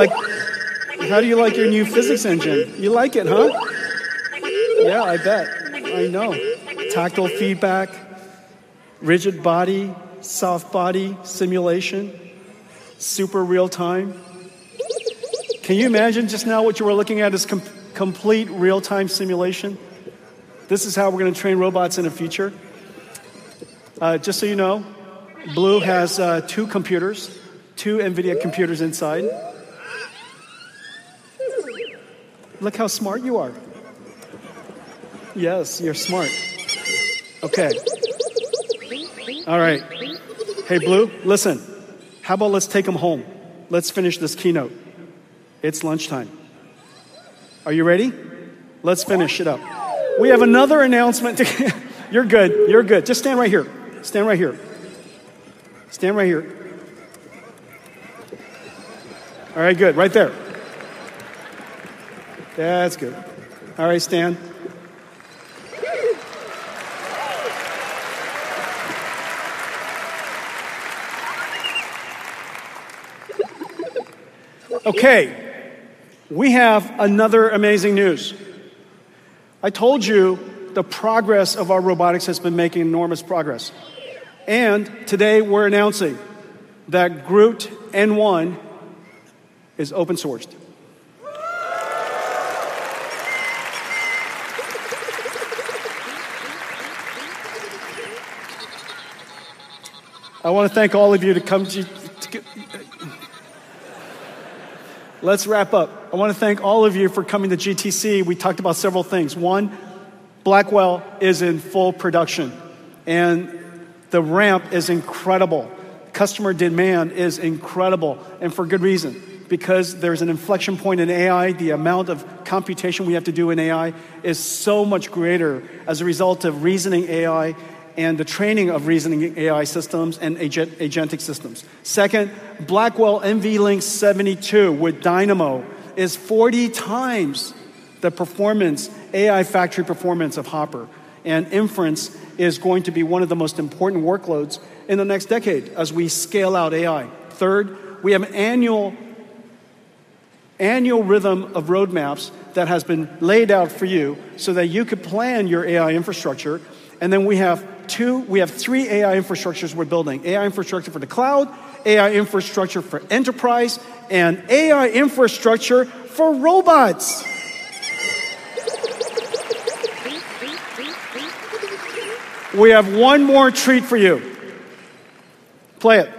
like your new physics engine? You like it, huh? Yeah, I bet. I know. Tactile feedback, rigid body, soft body simulation, super real time. Can you imagine just now what you were looking at is complete real-time simulation? This is how we're going to train robots in the future. Just so you know, Blue has two computers, two NVIDIA computers inside. Look how smart you are. Yes, you're smart. Okay. All right. Hey, Blue, listen. How about let's take them home. Let's finish this keynote. It's lunchtime. Are you ready? Let's finish it up. We have another announcement. You're good. You're good. Just stand right here. Stand right here. Stand right here. All right, good. Right there. That's good. All right, stand. Okay. We have another amazing news. I told you the progress of our robotics has been making enormous progress. Today, we're announcing that GR00T N1 is open-sourced. Let's wrap up. I want to thank all of you for coming to GTC. We talked about several things. One, Blackwell is in full production, and the ramp is incredible. Customer demand is incredible, and for good reason, because there's an inflection point in AI. The amount of computation we have to do in AI is so much greater as a result of reasoning AI and the training of reasoning AI systems and agentic systems. Second, Blackwell NVL72 with Dynamo is 40 times the performance, AI factory performance of Hopper, and inference is going to be one of the most important workloads in the next decade as we scale out AI. Third, we have an annual rhythm of roadmaps that has been laid out for you so that you could plan your AI infrastructure. And then we have two, we have three AI infrastructures we're building: AI infrastructure for the cloud, AI infrastructure for enterprise, and AI infrastructure for robots. We have one more treat for you. Play it.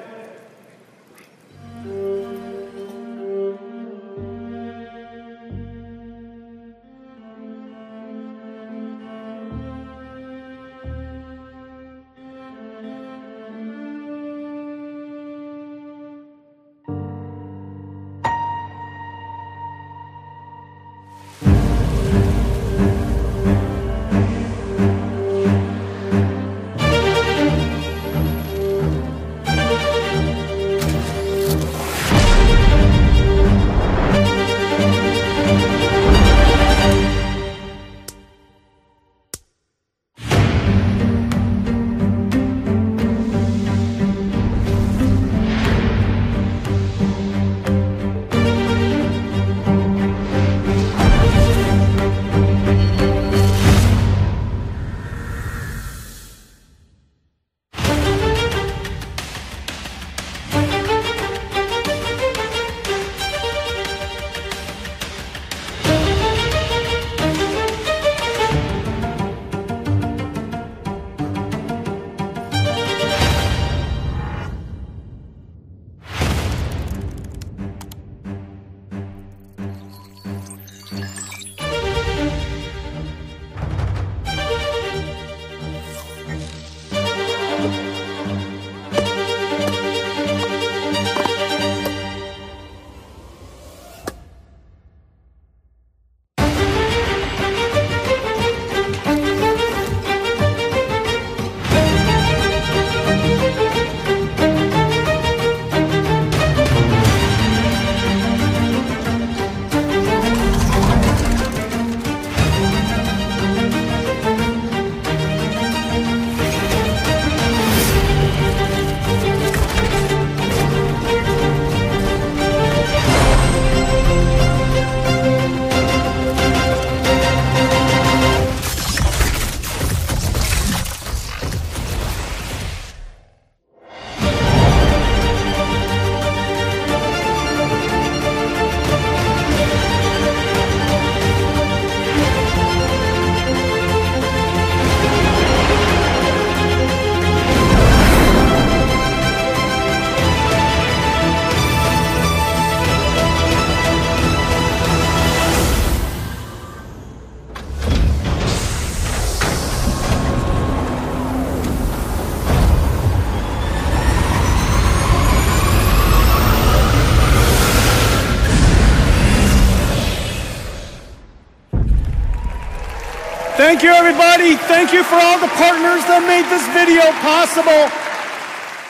Thank you, everybody. Thank you for all the partners that made this video possible.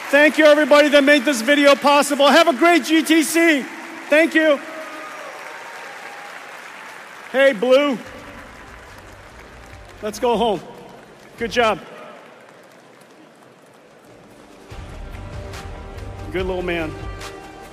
Thank you, everybody, that made this video possible. Have a great GTC. Thank you. Hey, Blue. Let's go home. Good job. Good little man.